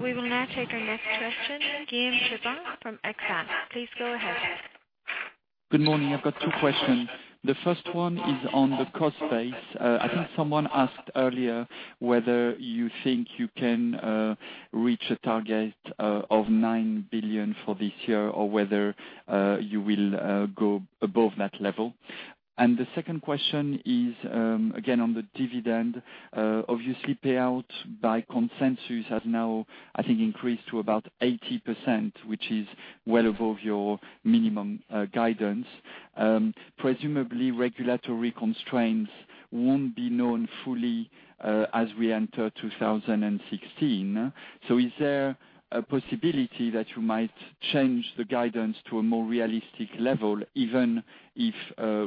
We will now take our next question. Guillaume Chéron from AXA. Please go ahead. Good morning. I've got two questions. The first one is on the cost base. I think someone asked earlier whether you think you can reach a target of 9 billion for this year or whether you will go above that level. The second question is, again, on the dividend. Obviously, payout by consensus has now, I think, increased to about 80%, which is well above your minimum guidance. Presumably, regulatory constraints won't be known fully as we enter 2016. Is there a possibility that you might change the guidance to a more realistic level, even if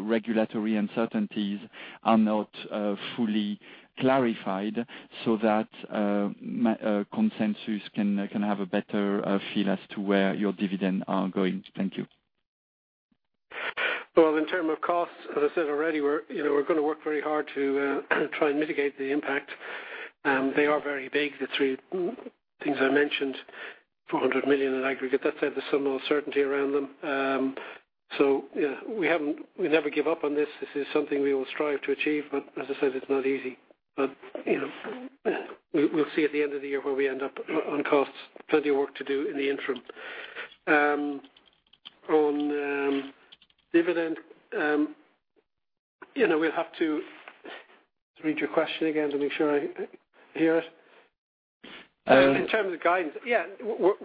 regulatory uncertainties are not fully clarified, so that consensus can have a better feel as to where your dividend are going? Thank you. Well, in terms of costs, as I said already, we're going to work very hard to try and mitigate the impact. They are very big, the three things I mentioned, 400 million in aggregate. That said, there's some uncertainty around them. We never give up on this. This is something we will strive to achieve. As I said, it's not easy. We'll see at the end of the year where we end up on costs. Plenty of work to do in the interim. Dividend. We'll have to read your question again to make sure I hear it. In terms of guidance, yeah, what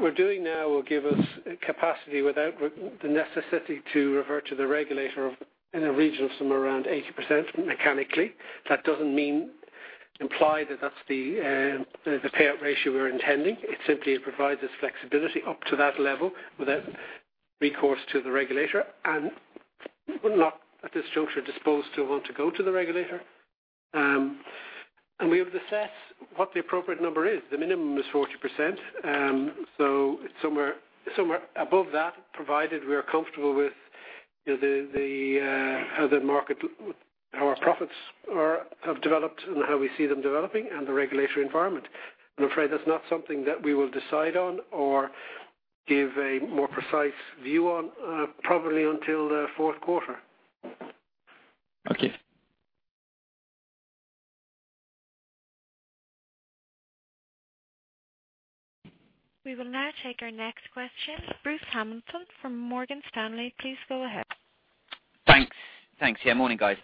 we're doing now will give us capacity without the necessity to revert to the regulator in a region of somewhere around 80%, mechanically. That doesn't imply that that's the payout ratio we're intending. It simply provides us flexibility up to that level without recourse to the regulator. We're not, at this juncture, disposed to want to go to the regulator. We have to assess what the appropriate number is. The minimum is 40%. It's somewhere above that, provided we are comfortable with how our profits have developed and how we see them developing and the regulatory environment. I'm afraid that's not something that we will decide on or give a more precise view on, probably until the fourth quarter. Okay. We will now take our next question. Bruce Hamilton from Morgan Stanley, please go ahead. Thanks. Yeah, morning, guys.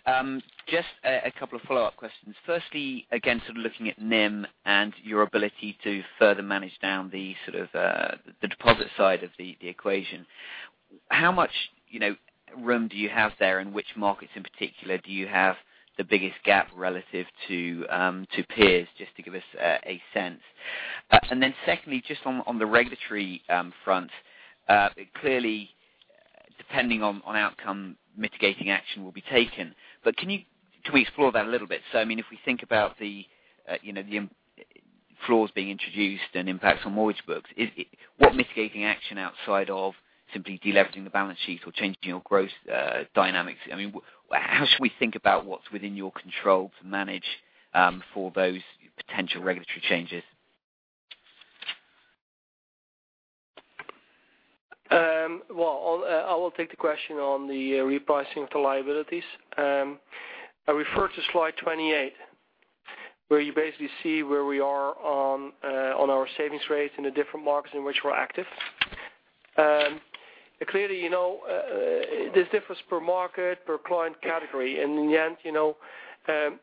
Firstly, again, looking at NIM and your ability to further manage down the deposit side of the equation. How much room do you have there, and which markets in particular do you have the biggest gap relative to peers, just to give us a sense? Secondly, just on the regulatory front, clearly, depending on outcome, mitigating action will be taken. Can we explore that a little bit? If we think about the floors being introduced and impacts on mortgage books, what mitigating action outside of simply de-leveraging the balance sheet or changing your growth dynamics, how should we think about what's within your control to manage for those potential regulatory changes? I will take the question on the repricing of the liabilities. I refer to slide 28, where you basically see where we're on our savings rates in the different markets in which we're active. Clearly, there's difference per market, per client category. In the end,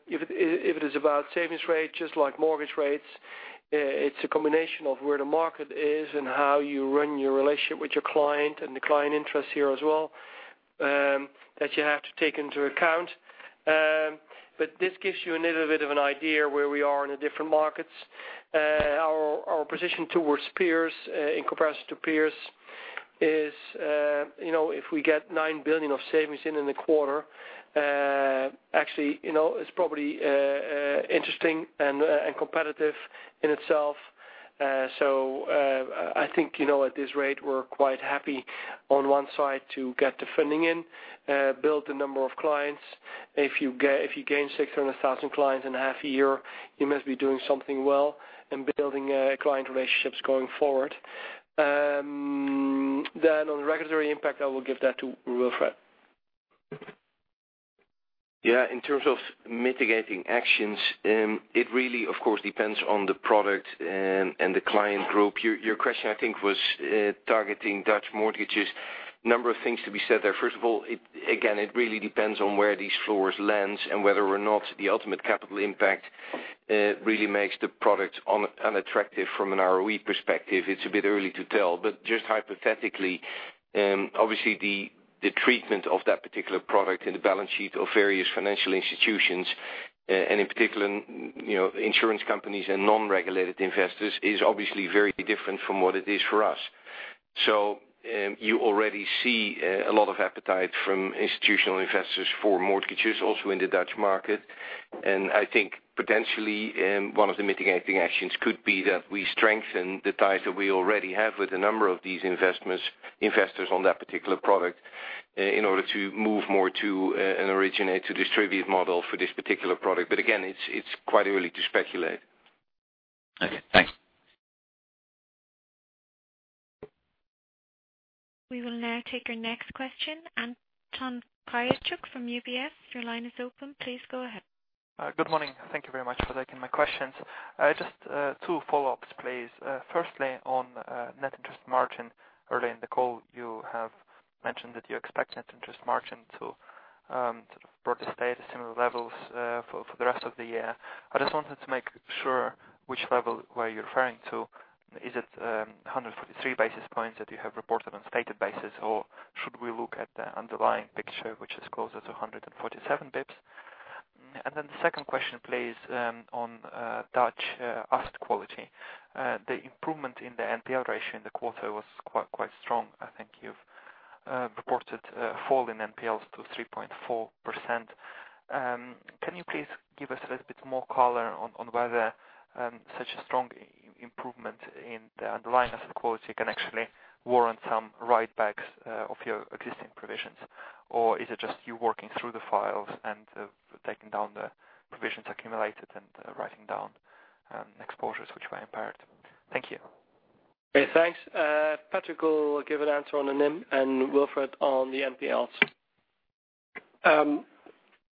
if it is about savings rate, just like mortgage rates, it's a combination of where the market is and how you run your relationship with your client and the client interest here as well, that you have to take into account. This gives you a little bit of an idea where we are in the different markets. Our position towards peers, in comparison to peers is, if we get 9 billion EUR of savings in the quarter, actually, it's probably interesting and competitive in itself. I think, at this rate, we're quite happy on one side to get the funding in, build the number of clients. If you gain 600,000 clients in a half year, you must be doing something well and building client relationships going forward. On the regulatory impact, I will give that to Wilfred. Yeah. In terms of mitigating actions, it really, of course, depends on the product and the client group. Your question, I think, was targeting Dutch mortgages. Number of things to be said there. First of all, again, it really depends on where these floors land and whether or not the ultimate capital impact really makes the product unattractive from an ROE perspective. It's a bit early to tell. Just hypothetically, obviously the treatment of that particular product in the balance sheet of various financial institutions, and in particular, insurance companies and non-regulated investors, is obviously very different from what it is for us. You already see a lot of appetite from institutional investors for mortgages, also in the Dutch market. I think potentially, one of the mitigating actions could be that we strengthen the ties that we already have with a number of these investors on that particular product in order to move more to an originate-to-distribute model for this particular product. Again, it's quite early to speculate. Okay, thanks. We will now take our next question. Anton Kryachok from UBS, your line is open. Please go ahead. Good morning. Thank you very much for taking my questions. Just two follow-ups, please. Firstly, on net interest margin. Earlier in the call, you have mentioned that you expect net interest margin to sort of broadly stay at similar levels for the rest of the year. I just wanted to make sure which level were you referring to. Is it 143 basis points that you have reported on a stated basis, or should we look at the underlying picture, which is closer to 147 basis points? Then the second question, please, on Dutch asset quality. The improvement in the NPL ratio in the quarter was quite strong. I think you've reported a fall in NPLs to 3.4%. Can you please give us a little bit more color on whether such a strong improvement in the underlying asset quality can actually warrant some write-backs of your existing provisions? Is it just you working through the files and taking down the provisions accumulated and writing down exposures which were impaired? Thank you. Okay, thanks. Patrick will give an answer on the NIM and Wilfred on the NPLs.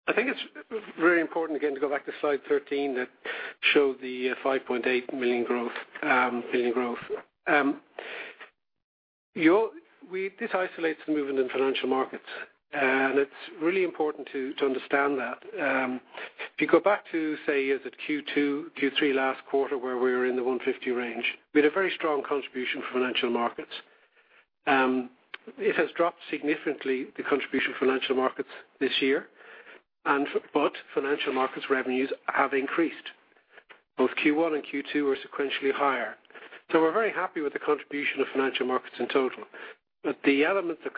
I think it's very important, again, to go back to slide 13 that showed the 5.8 million growth. This isolates the movement in financial markets, and it's really important to understand that. If you go back to, say, Q2, Q3 last quarter, where we were in the 150 range, we had a very strong contribution from financial markets. It has dropped significantly, the contribution from financial markets this year. Financial markets revenues have increased. Both Q1 and Q2 are sequentially higher. We're very happy with the contribution of financial markets in total. The element, the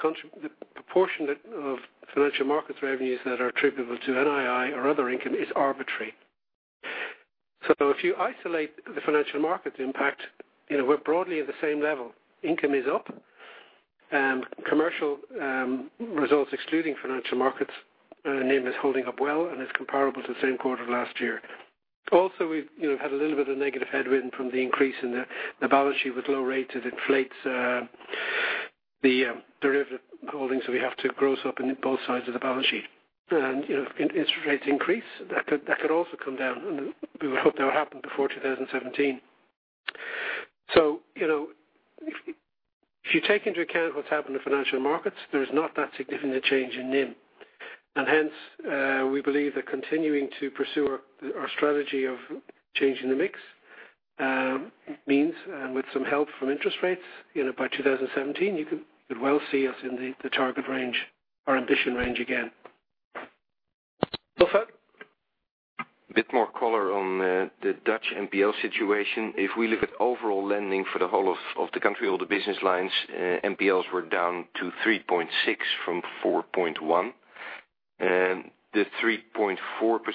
proportion of financial markets revenues that are attributable to NII or other income is arbitrary. If you isolate the financial markets impact, we're broadly at the same level. Income is up. Commercial results excluding financial markets NIM is holding up well and is comparable to the same quarter last year. Also, we've had a little bit of negative headwind from the increase in the balance sheet with low rates as it inflates the derivative holdings that we have to gross up in both sides of the balance sheet. If interest rates increase, that could also come down, and we would hope that would happen before 2017. If you take into account what's happened to financial markets, there's not that significant a change in NIM. Hence, we believe that continuing to pursue our strategy of changing the mix means, and with some help from interest rates, by 2017 you could well see us in the target range, our ambition range again. Wilfred? Bit more color on the Dutch NPL situation. If we look at overall lending for the whole of the country, all the business lines, NPLs were down to 3.6% from 4.1%. The 3.4%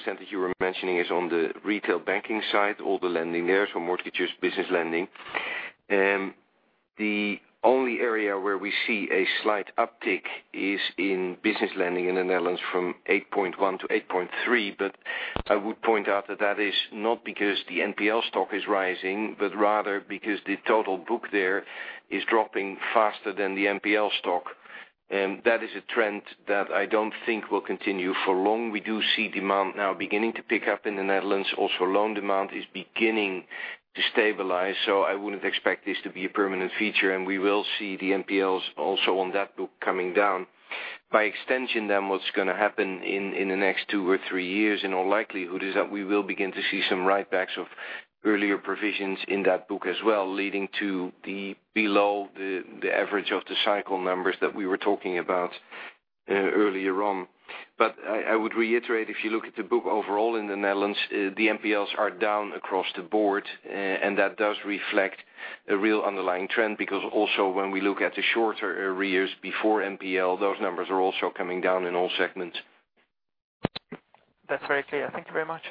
that you were mentioning is on the retail banking side, all the lending there, so mortgages, business lending. The only area where we see a slight uptick is in business lending in the Netherlands from 8.1% to 8.3%. I would point out that that is not because the NPL stock is rising, rather because the total book there is dropping faster than the NPL stock. That is a trend that I don't think will continue for long. We do see demand now beginning to pick up in the Netherlands. Loan demand is beginning to stabilize, so I wouldn't expect this to be a permanent feature, and we will see the NPLs also on that book coming down. By extension, what's going to happen in the next two or three years, in all likelihood, is that we will begin to see some write backs of earlier provisions in that book as well, leading to the below the average of the cycle numbers that we were talking about earlier on. I would reiterate, if you look at the book overall in the Netherlands, the NPLs are down across the board, and that does reflect a real underlying trend, because also when we look at the shorter arrears before NPL, those numbers are also coming down in all segments. That's very clear. Thank you very much.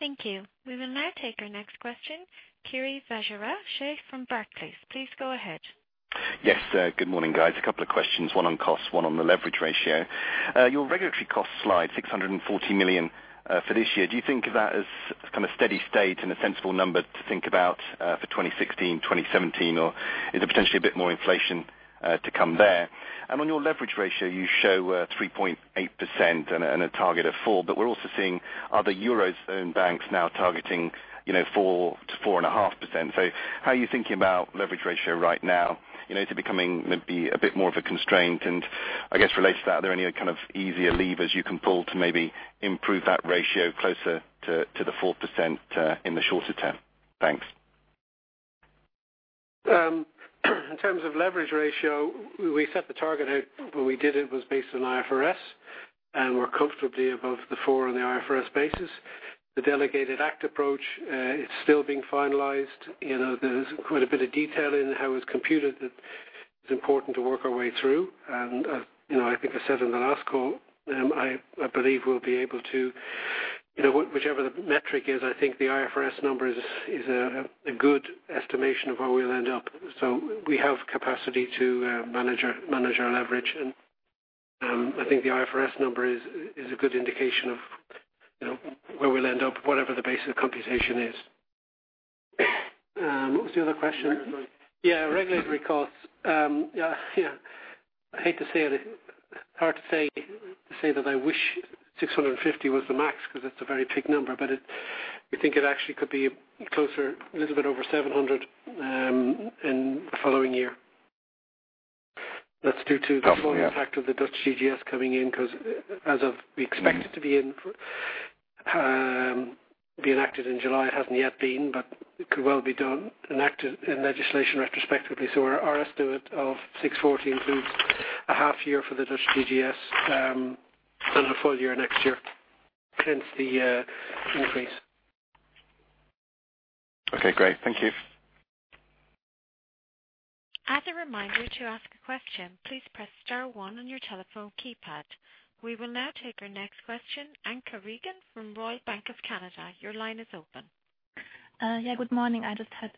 Thank you. We will now take our next question, Kirishanthan Vijayarajah, from Barclays. Please go ahead. Yes, good morning, guys. A couple of questions, one on cost, one on the leverage ratio. Your regulatory cost slide, 640 million for this year, do you think of that as kind of steady state and a sensible number to think about for 2016, 2017? Or is there potentially a bit more inflation to come there? On your leverage ratio, you show 3.8% and a target of 4%, but we're also seeing other Eurozone banks now targeting 4%-4.5%. How are you thinking about leverage ratio right now? Is it becoming maybe a bit more of a constraint? I guess related to that, are there any kind of easier levers you can pull to maybe improve that ratio closer to the 4% in the shorter term? Thanks. In terms of leverage ratio, we set the target out. When we did it was based on IFRS, and we're comfortably above the 4% on the IFRS basis. The Delegated Act approach is still being finalized. There's quite a bit of detail in how it's computed that is important to work our way through. I think I said in the last call, I believe we'll be able to, whichever the metric is, I think the IFRS number is a good estimation of where we'll end up. We have capacity to manage our leverage, and I think the IFRS number is a good indication of where we'll end up, whatever the base of the computation is. What was the other question? Regulatory. Yeah, regulatory costs. Yeah. I hate to say it. It's hard to say that I wish 650 million was the max because it's a very big number, but we think it actually could be closer, a little bit over 700 million in the following year. That's due to- Oh, yeah the full impact of the Dutch DGS coming in, because as we expect it to be enacted in July. It hasn't yet been, it could well be done, enacted in legislation retrospectively. Our estimate of 640 includes a half year for the Dutch DGS, and a full year next year, hence the increase. Okay, great. Thank you. As a reminder, to ask a question, please press star 1 on your telephone keypad. We will now take our next question, Anke Reingen from Royal Bank of Canada. Your line is open. Good morning. I just had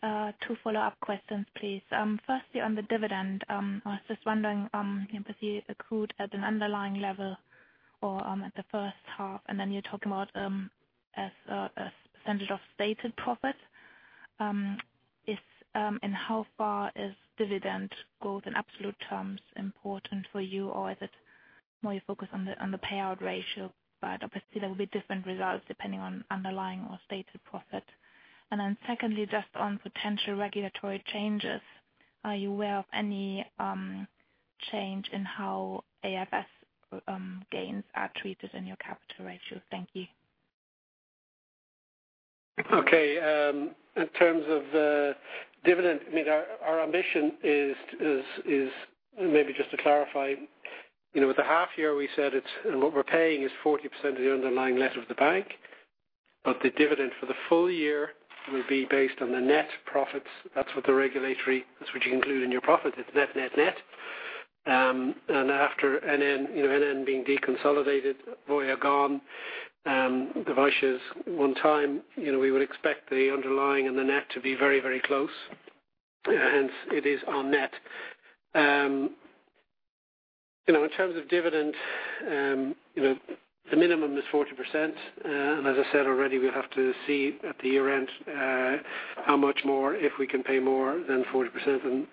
2 follow-up questions, please. Firstly, on the dividend, I was just wondering if you accrued at an underlying level or at the first half, you're talking about as a percentage of stated profit. In how far is dividend growth in absolute terms important for you, or is it more you focus on the payout ratio? Obviously there will be different results depending on underlying or stated profit. Secondly, just on potential regulatory changes. Are you aware of any change in how AFS gains are treated in your capital ratio? Thank you. Okay. In terms of dividend, our ambition is, maybe just to clarify, with the half year we said what we're paying is 40% of the underlying net of the bank, but the dividend for the full year will be based on the net profits. That's what the regulatory, that's what you include in your profits. It's net. After NN Group being deconsolidated, Voya gone, divestitures one-time, we would expect the underlying and the net to be very close. Hence it is our net. In terms of dividend the minimum is 40%. As I said already, we'll have to see at the year end how much more, if we can pay more than 40%.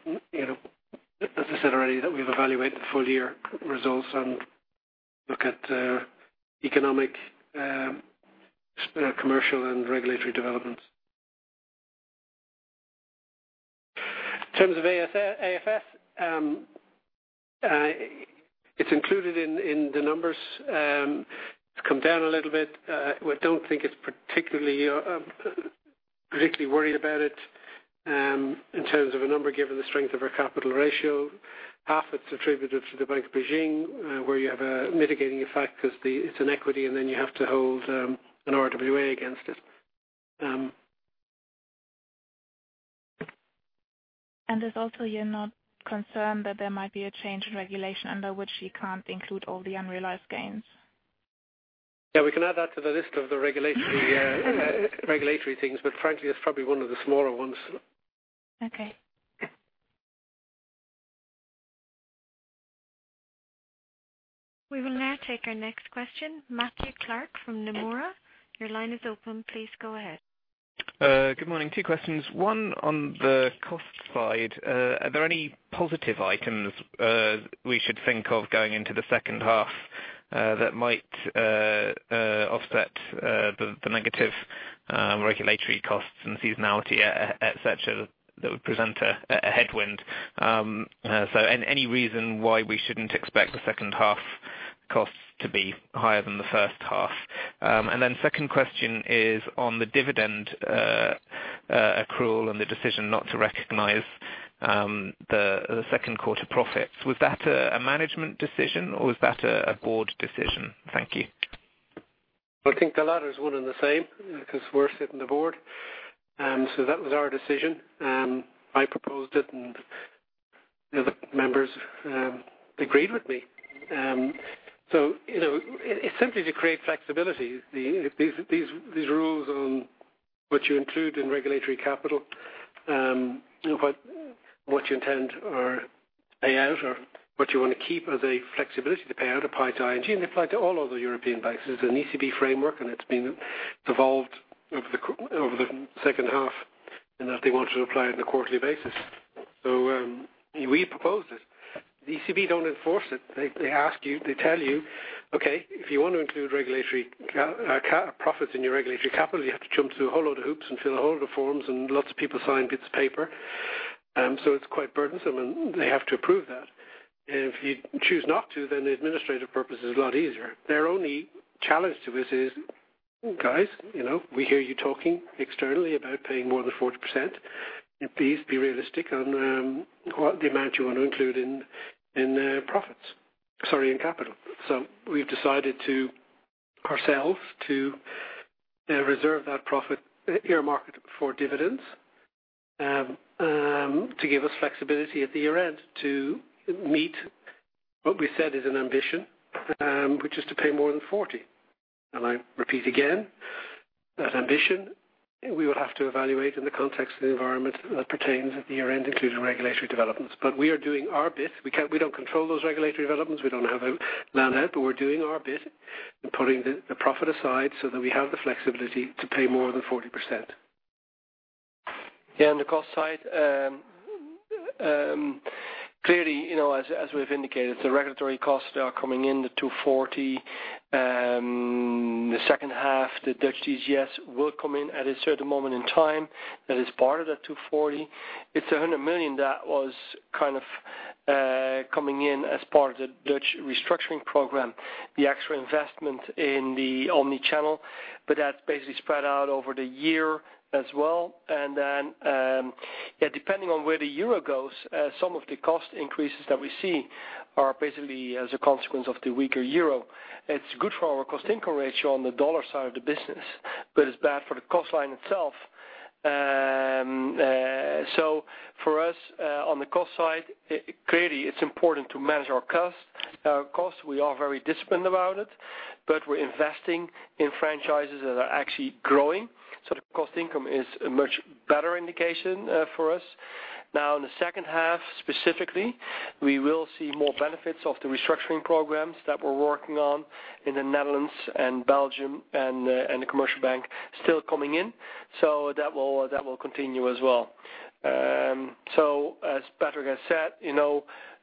As I said already, that we'll evaluate the full year results and look at economic commercial and regulatory developments. In terms of AFS, it's included in the numbers. It's come down a little bit. We don't think it's particularly worried about it, in terms of a number given the strength of our capital ratio. Half it's attributed to the Bank of Beijing, where you have a mitigating effect because it's an equity and then you have to hold an RWA against it. Is also you're not concerned that there might be a change in regulation under which you can't include all the unrealized gains? Yeah, we can add that to the list of the regulatory things, frankly, it's probably one of the smaller ones. Okay. We will now take our next question. Matthew Clark from Nomura. Your line is open. Please go ahead. Good morning. two questions. one on the cost side. Are there any positive items we should think of going into the second half that might offset the negative regulatory costs and seasonality, et cetera, that would present a headwind? Any reason why we shouldn't expect the second half costs to be higher than the first half? Second question is on the dividend accrual and the decision not to recognize the second quarter profits. Was that a management decision or was that a board decision? Thank you. I think the latter is one and the same because we're sitting the board. That was our decision. I proposed it and the other members agreed with me. It's simply to create flexibility. These rules on what you include in regulatory capital what you intend or pay out or what you want to keep as a flexibility to pay out a pie to ING, and they apply to all other European banks. There's an ECB framework, and it's been evolved over the second half, and that they want to apply it on a quarterly basis. We proposed it. The ECB don't enforce it. They ask you, they tell you, "Okay, if you want to include regulatory profits in your regulatory capital, you have to jump through a whole lot of hoops and fill a whole lot of forms and lots of people sign bits of paper." It's quite burdensome and they have to approve that. If you choose not to, the administrative purpose is a lot easier. Their only challenge to this is, "Guys, we hear you talking externally about paying more than 40%. Please be realistic on the amount you want to include in capital." We've decided to ourselves to reserve that profit earmarked for dividends to give us flexibility at the year-end to meet what we said is an ambition, which is to pay more than 40%. I repeat again, that ambition, we will have to evaluate in the context of the environment that pertains at the year-end, including regulatory developments. We are doing our bit. We don't control those regulatory developments. We don't have them landed, but we're doing our bit in putting the profit aside so that we have the flexibility to pay more than 40%. On the cost side, clearly, as we've indicated, the regulatory costs are coming in the 240. The second half, the Dutch DGS will come in at a certain moment in time. That is part of that 240. It's 100 million that was kind of coming in as part of the Dutch restructuring program, the actual investment in the omni-channel, but that's basically spread out over the year as well. Depending on where the euro goes, some of the cost increases that we see are basically as a consequence of the weaker euro. It's good for our cost income ratio on the USD side of the business, but it's bad for the cost line itself. For us, on the cost side, clearly it's important to manage our costs. We are very disciplined about it, but we're investing in franchises that are actually growing. The cost income is a much better indication for us. Now, in the second half specifically, we will see more benefits of the restructuring programs that we're working on in the Netherlands and Belgium and the commercial bank still coming in. That will continue as well. As Patrick has said,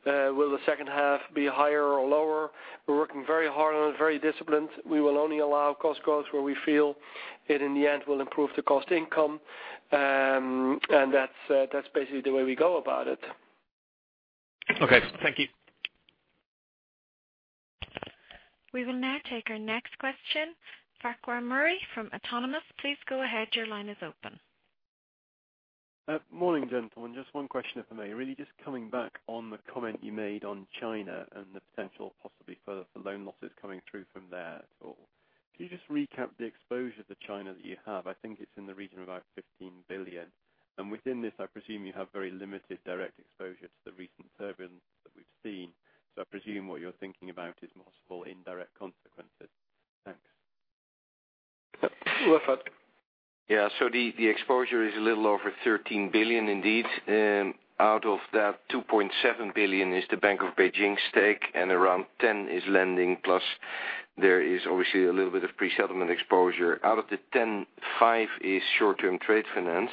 will the second half be higher or lower? We're working very hard on it, very disciplined. We will only allow cost growth where we feel it in the end will improve the cost income. That's basically the way we go about it. Okay. Thank you. We will now take our next question. Farquhar Murray from Autonomous, please go ahead. Your line is open. Morning, gentlemen. Just one question, if I may. Really just coming back on the comment you made on China and the potential possibly for further loan losses coming through from there at all. Can you just recap the exposure to China that you have? I think it's in the region of about 15 billion. Within this, I presume you have very limited direct exposure to the recent turbulence that we've seen. I presume what you're thinking about is more indirect consequences. Thanks. Go ahead, Patrick. The exposure is a little over 13 billion, indeed. Out of that, 2.7 billion is the Bank of Beijing stake and around 10 is lending. Plus, there is obviously a little bit of pre-settlement exposure. Out of the 10, five is short-term trade finance,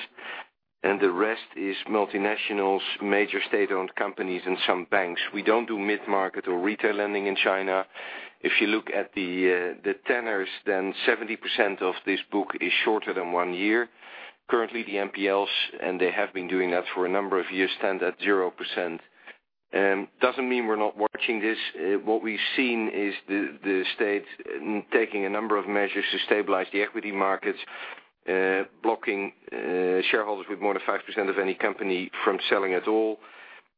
and the rest is multinationals, major state-owned companies, and some banks. We don't do mid-market or retail lending in China. If you look at the tenors, 70% of this book is shorter than one year. Currently, the NPLs, and they have been doing that for a number of years, stand at 0%. Doesn't mean we're not watching this. What we've seen is the state taking a number of measures to stabilize the equity markets, blocking shareholders with more than 5% of any company from selling at all.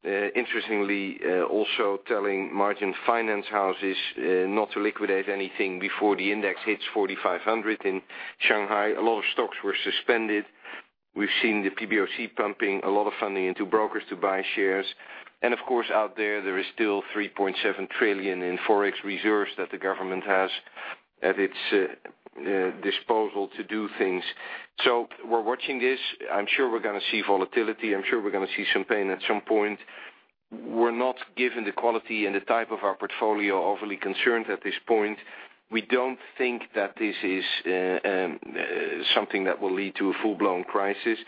Interestingly, also telling margin finance houses not to liquidate anything before the index hits 4,500 in Shanghai. A lot of stocks were suspended. We've seen the PBOC pumping a lot of funding into brokers to buy shares. Of course, out there is still 3.7 trillion in forex reserves that the government has at its disposal to do things. We're watching this. I'm sure we're going to see volatility. I'm sure we're going to see some pain at some point. We're not given the quality and the type of our portfolio overly concerned at this point. We don't think that this is something that will lead to a full-blown crisis.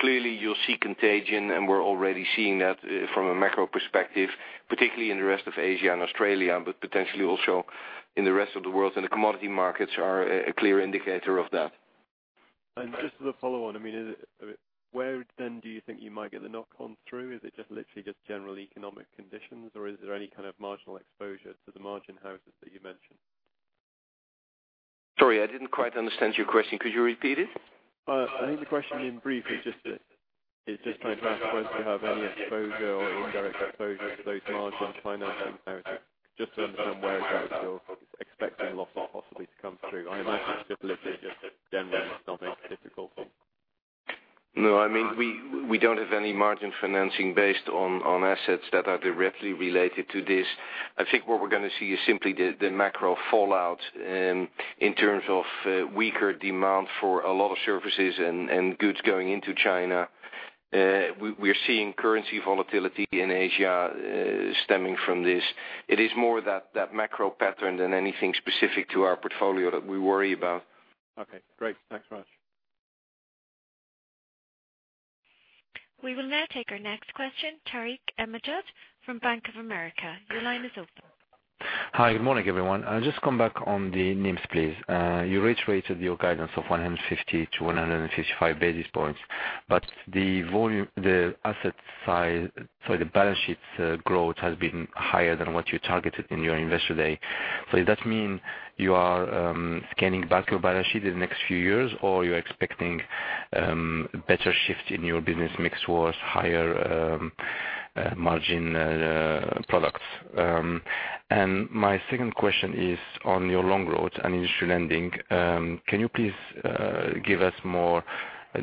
Clearly, you'll see contagion, and we're already seeing that from a macro perspective, particularly in the rest of Asia and Australia, but potentially also in the rest of the world. The commodity markets are a clear indicator of that. Just as a follow on, where then do you think you might get the knock-on through? Is it just literally just general economic conditions, or is there any kind of marginal exposure to the margin houses that you mentioned? Sorry, I didn't quite understand your question. Could you repeat it? I think the question in brief is just trying to ask whether you have any exposure or indirect exposure to those margin financing houses. Just to understand where exactly you're expecting losses possibly to come through. I imagine it's just literally just generally something difficult. No, we don't have any margin financing based on assets that are directly related to this. I think what we're going to see is simply the macro fallout in terms of weaker demand for a lot of services and goods going into China. We're seeing currency volatility in Asia stemming from this. It is more that macro pattern than anything specific to our portfolio that we worry about. Okay, great. Thanks very much. We will now take our next question. Tarik El Mejjad from Bank of America. Your line is open. Hi, good morning, everyone. I'll just come back on the NIMs, please. You reiterated your guidance of 150-155 basis points, but the asset size, sorry, the balance sheet's growth has been higher than what you targeted in your Investor Day. Does that mean you are scaling back your balance sheet in the next few years, or you're expecting better shift in your business mix towards higher margin products? My second question is on your long road and industry lending. Can you please give us more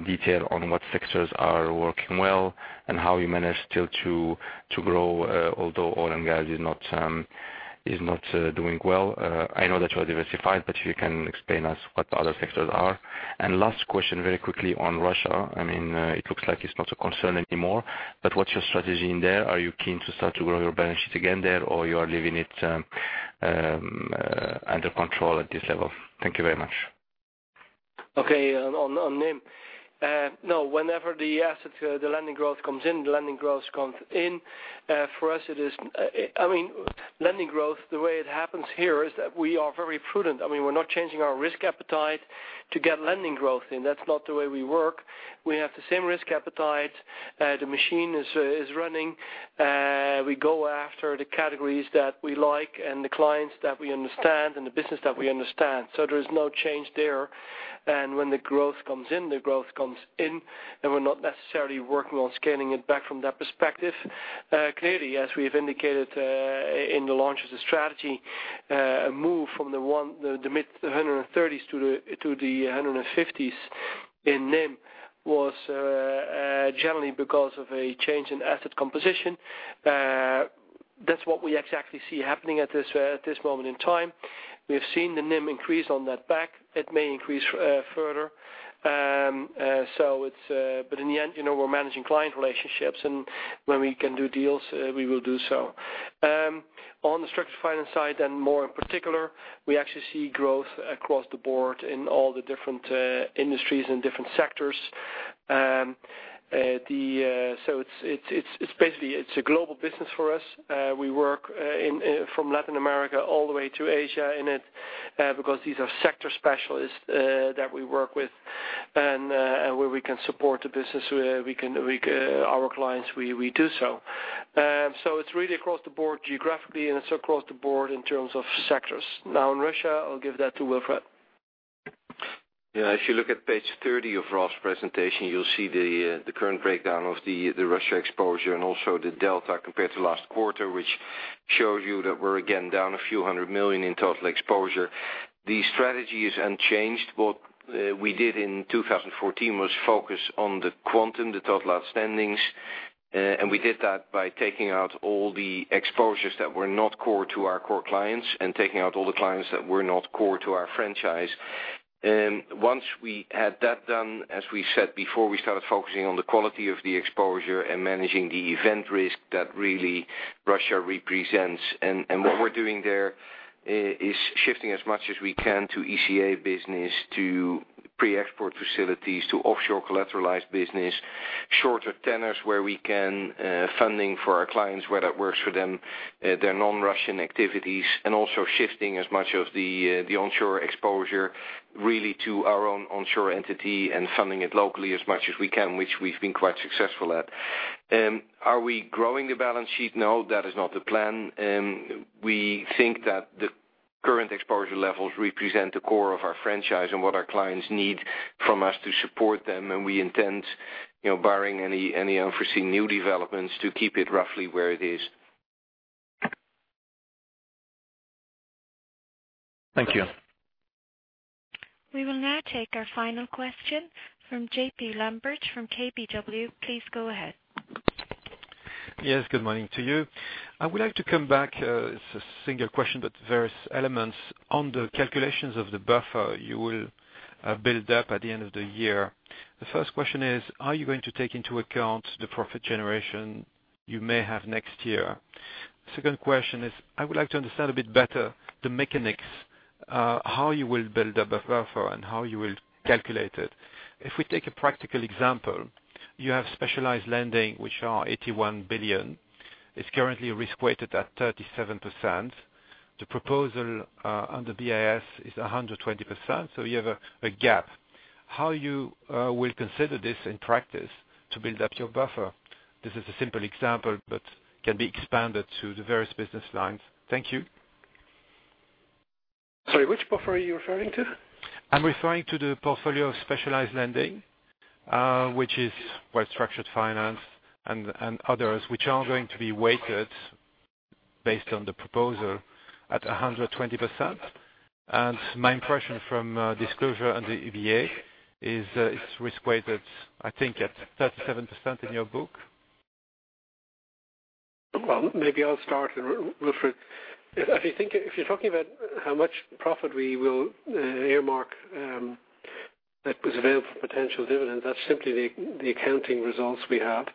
detail on what sectors are working well and how you manage still to grow although oil and gas is not doing well. I know that you are diversified, but if you can explain us what the other sectors are. Last question, very quickly on Russia. It looks like it's not a concern anymore, but what's your strategy in there? Are you keen to start to grow your balance sheet again there, or you are leaving it under control at this level? Thank you very much. Okay. On NIM. No, whenever the lending growth comes in, the lending growth comes in. For us, lending growth, the way it happens here is that we are very prudent. We're not changing our risk appetite to get lending growth in. That's not the way we work. We have the same risk appetite. The machine is running. We go after the categories that we like and the clients that we understand and the business that we understand. There is no change there. When the growth comes in, the growth comes in, and we're not necessarily working on scaling it back from that perspective. Clearly, as we have indicated in the launch of the strategy, a move from the mid-130s to the 150s in NIM was generally because of a change in asset composition. That's what we exactly see happening at this moment in time. We have seen the NIM increase on that back. It may increase further. In the end, we're managing client relationships, and when we can do deals, we will do so. On the structured finance side and more in particular, we actually see growth across the board in all the different industries and different sectors. Basically, it's a global business for us. We work from Latin America all the way to Asia in it, because these are sector specialists that we work with, and where we can support the business, our clients, we do so. It's really across the board geographically, and it's across the board in terms of sectors. Now, in Russia, I'll give that to Wilfred. If you look at page 30 of Ralph's presentation, you will see the current breakdown of the Russia exposure and also the delta compared to last quarter, which shows you that we are again down a few hundred million in total exposure. The strategy is unchanged. What we did in 2014 was focus on the quantum, the total outstandings, and we did that by taking out all the exposures that were not core to our core clients and taking out all the clients that were not core to our franchise. Once we had that done, as we said before, we started focusing on the quality of the exposure and managing the event risk that really Russia represents. What we are doing there is shifting as much as we can to ECA business, to pre-export facilities, to offshore collateralized business, shorter tenors where we can, funding for our clients, where that works for them, their non-Russian activities, and also shifting as much of the onshore exposure really to our own onshore entity and funding it locally as much as we can, which we have been quite successful at. Are we growing the balance sheet? No, that is not the plan. We think that the current exposure levels represent the core of our franchise and what our clients need from us to support them, and we intend, barring any unforeseen new developments, to keep it roughly where it is. Thank you. We will now take our final question from Jean-Pierre Lambert from KBW. Please go ahead. Yes, good morning to you. I would like to come back. It's a single question, but various elements on the calculations of the buffer you will build up at the end of the year. The first question is: are you going to take into account the profit generation you may have next year? Second question is: I would like to understand a bit better the mechanics, how you will build up a buffer and how you will calculate it. If we take a practical example, you have specialized lending, which are 81 billion. It's currently risk-weighted at 37%. The proposal on the BIS is 120%. You have a gap. How you will consider this in practice to build up your buffer? This is a simple example, but can be expanded to the various business lines. Thank you. Sorry, which buffer are you referring to? I'm referring to the portfolio of specialized lending, which is well-structured finance and others, which are going to be weighted based on the proposal at 120%. My impression from disclosure on the EBA is it's risk-weighted, I think at 37% in your book. Well, maybe I'll start. Wilfred, if you're talking about how much profit we will earmark that was available for potential dividends, that's simply the accounting results we have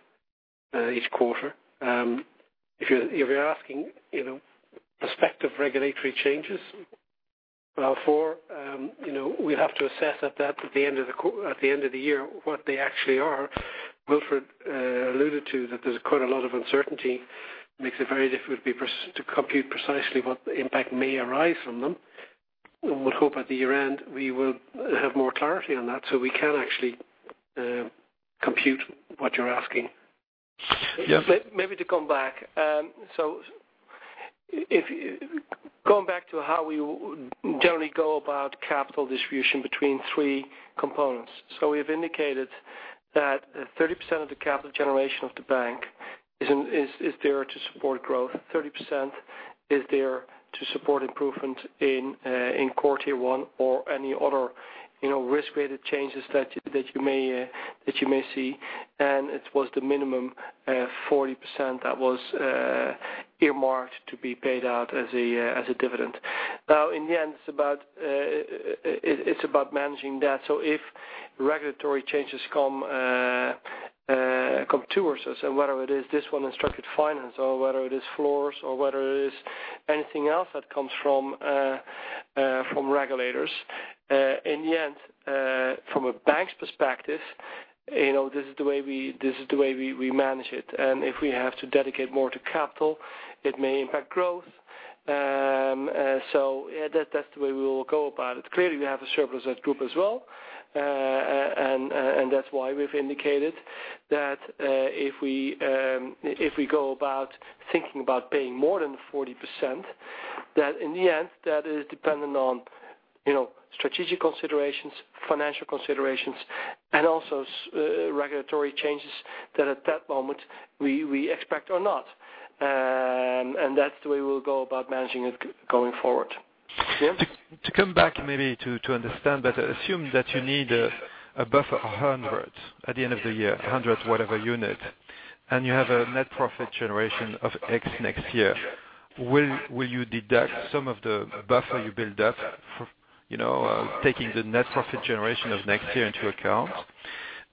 each quarter. If you're asking prospective regulatory changes, well, we'll have to assess at the end of the year what they actually are. Wilfred alluded to that there's quite a lot of uncertainty, makes it very difficult to compute precisely what the impact may arise from them. We'll hope at the year-end we will have more clarity on that. We can actually compute what you're asking. Yes. To come back. Going back to how we generally go about capital distribution between three components. We've indicated that 30% of the capital generation of the bank is there to support growth. 30% is there to support improvement in Core Tier 1 or any other risk-weighted changes that you may see. It was the minimum 40% that was earmarked to be paid out as a dividend. In the end, it's about managing debt. If regulatory changes come to us, whether it is this one in structured finance or whether it is floors or whether it is anything else that comes from regulators, in the end, from a bank's perspective, this is the way we manage it. If we have to dedicate more to capital, it may impact growth. That's the way we will go about it. Clearly, we have a surplus at group as well. That's why we've indicated that if we go about thinking about paying more than 40%, that in the end, that is dependent on strategic considerations, financial considerations, and also regulatory changes that at that moment we expect or not. That's the way we'll go about managing it going forward. James? To come back maybe to understand better, assume that you need a buffer of 100 at the end of the year, 100 whatever unit, and you have a net profit generation of X next year. Will you deduct some of the buffer you build up, taking the net profit generation of next year into account?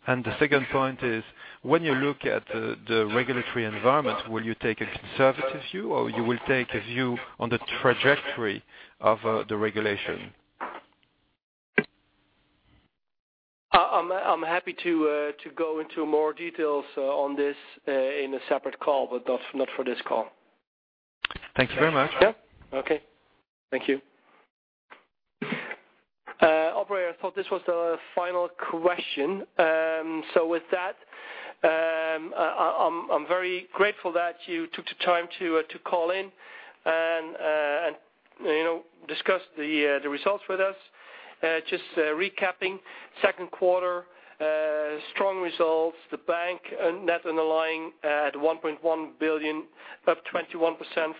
The second point is, when you look at the regulatory environment, will you take a conservative view, or you will take a view on the trajectory of the regulation? I'm happy to go into more details on this in a separate call, but not for this call. Thank you very much. Yeah. Okay. Thank you. Operator, I thought this was the final question. With that, I'm very grateful that you took the time to call in and discuss the results with us. Just recapping. Second quarter, strong results. The bank net underlying at 1.1 billion, up 21%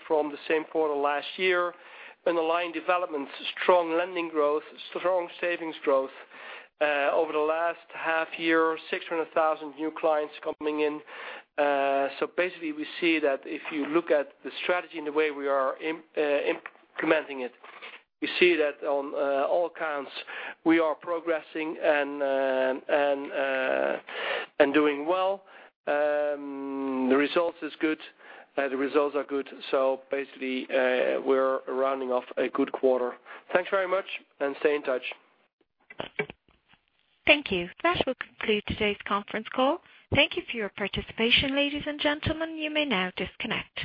from the same quarter last year. Underlying development, strong lending growth, strong savings growth. Over the last half year, 600,000 new clients coming in. Basically, we see that if you look at the strategy and the way we are implementing it, we see that on all accounts, we are progressing and doing well. The results are good. Basically, we're rounding off a good quarter. Thanks very much and stay in touch. Thank you. That will conclude today's conference call. Thank you for your participation, ladies and gentlemen. You may now disconnect.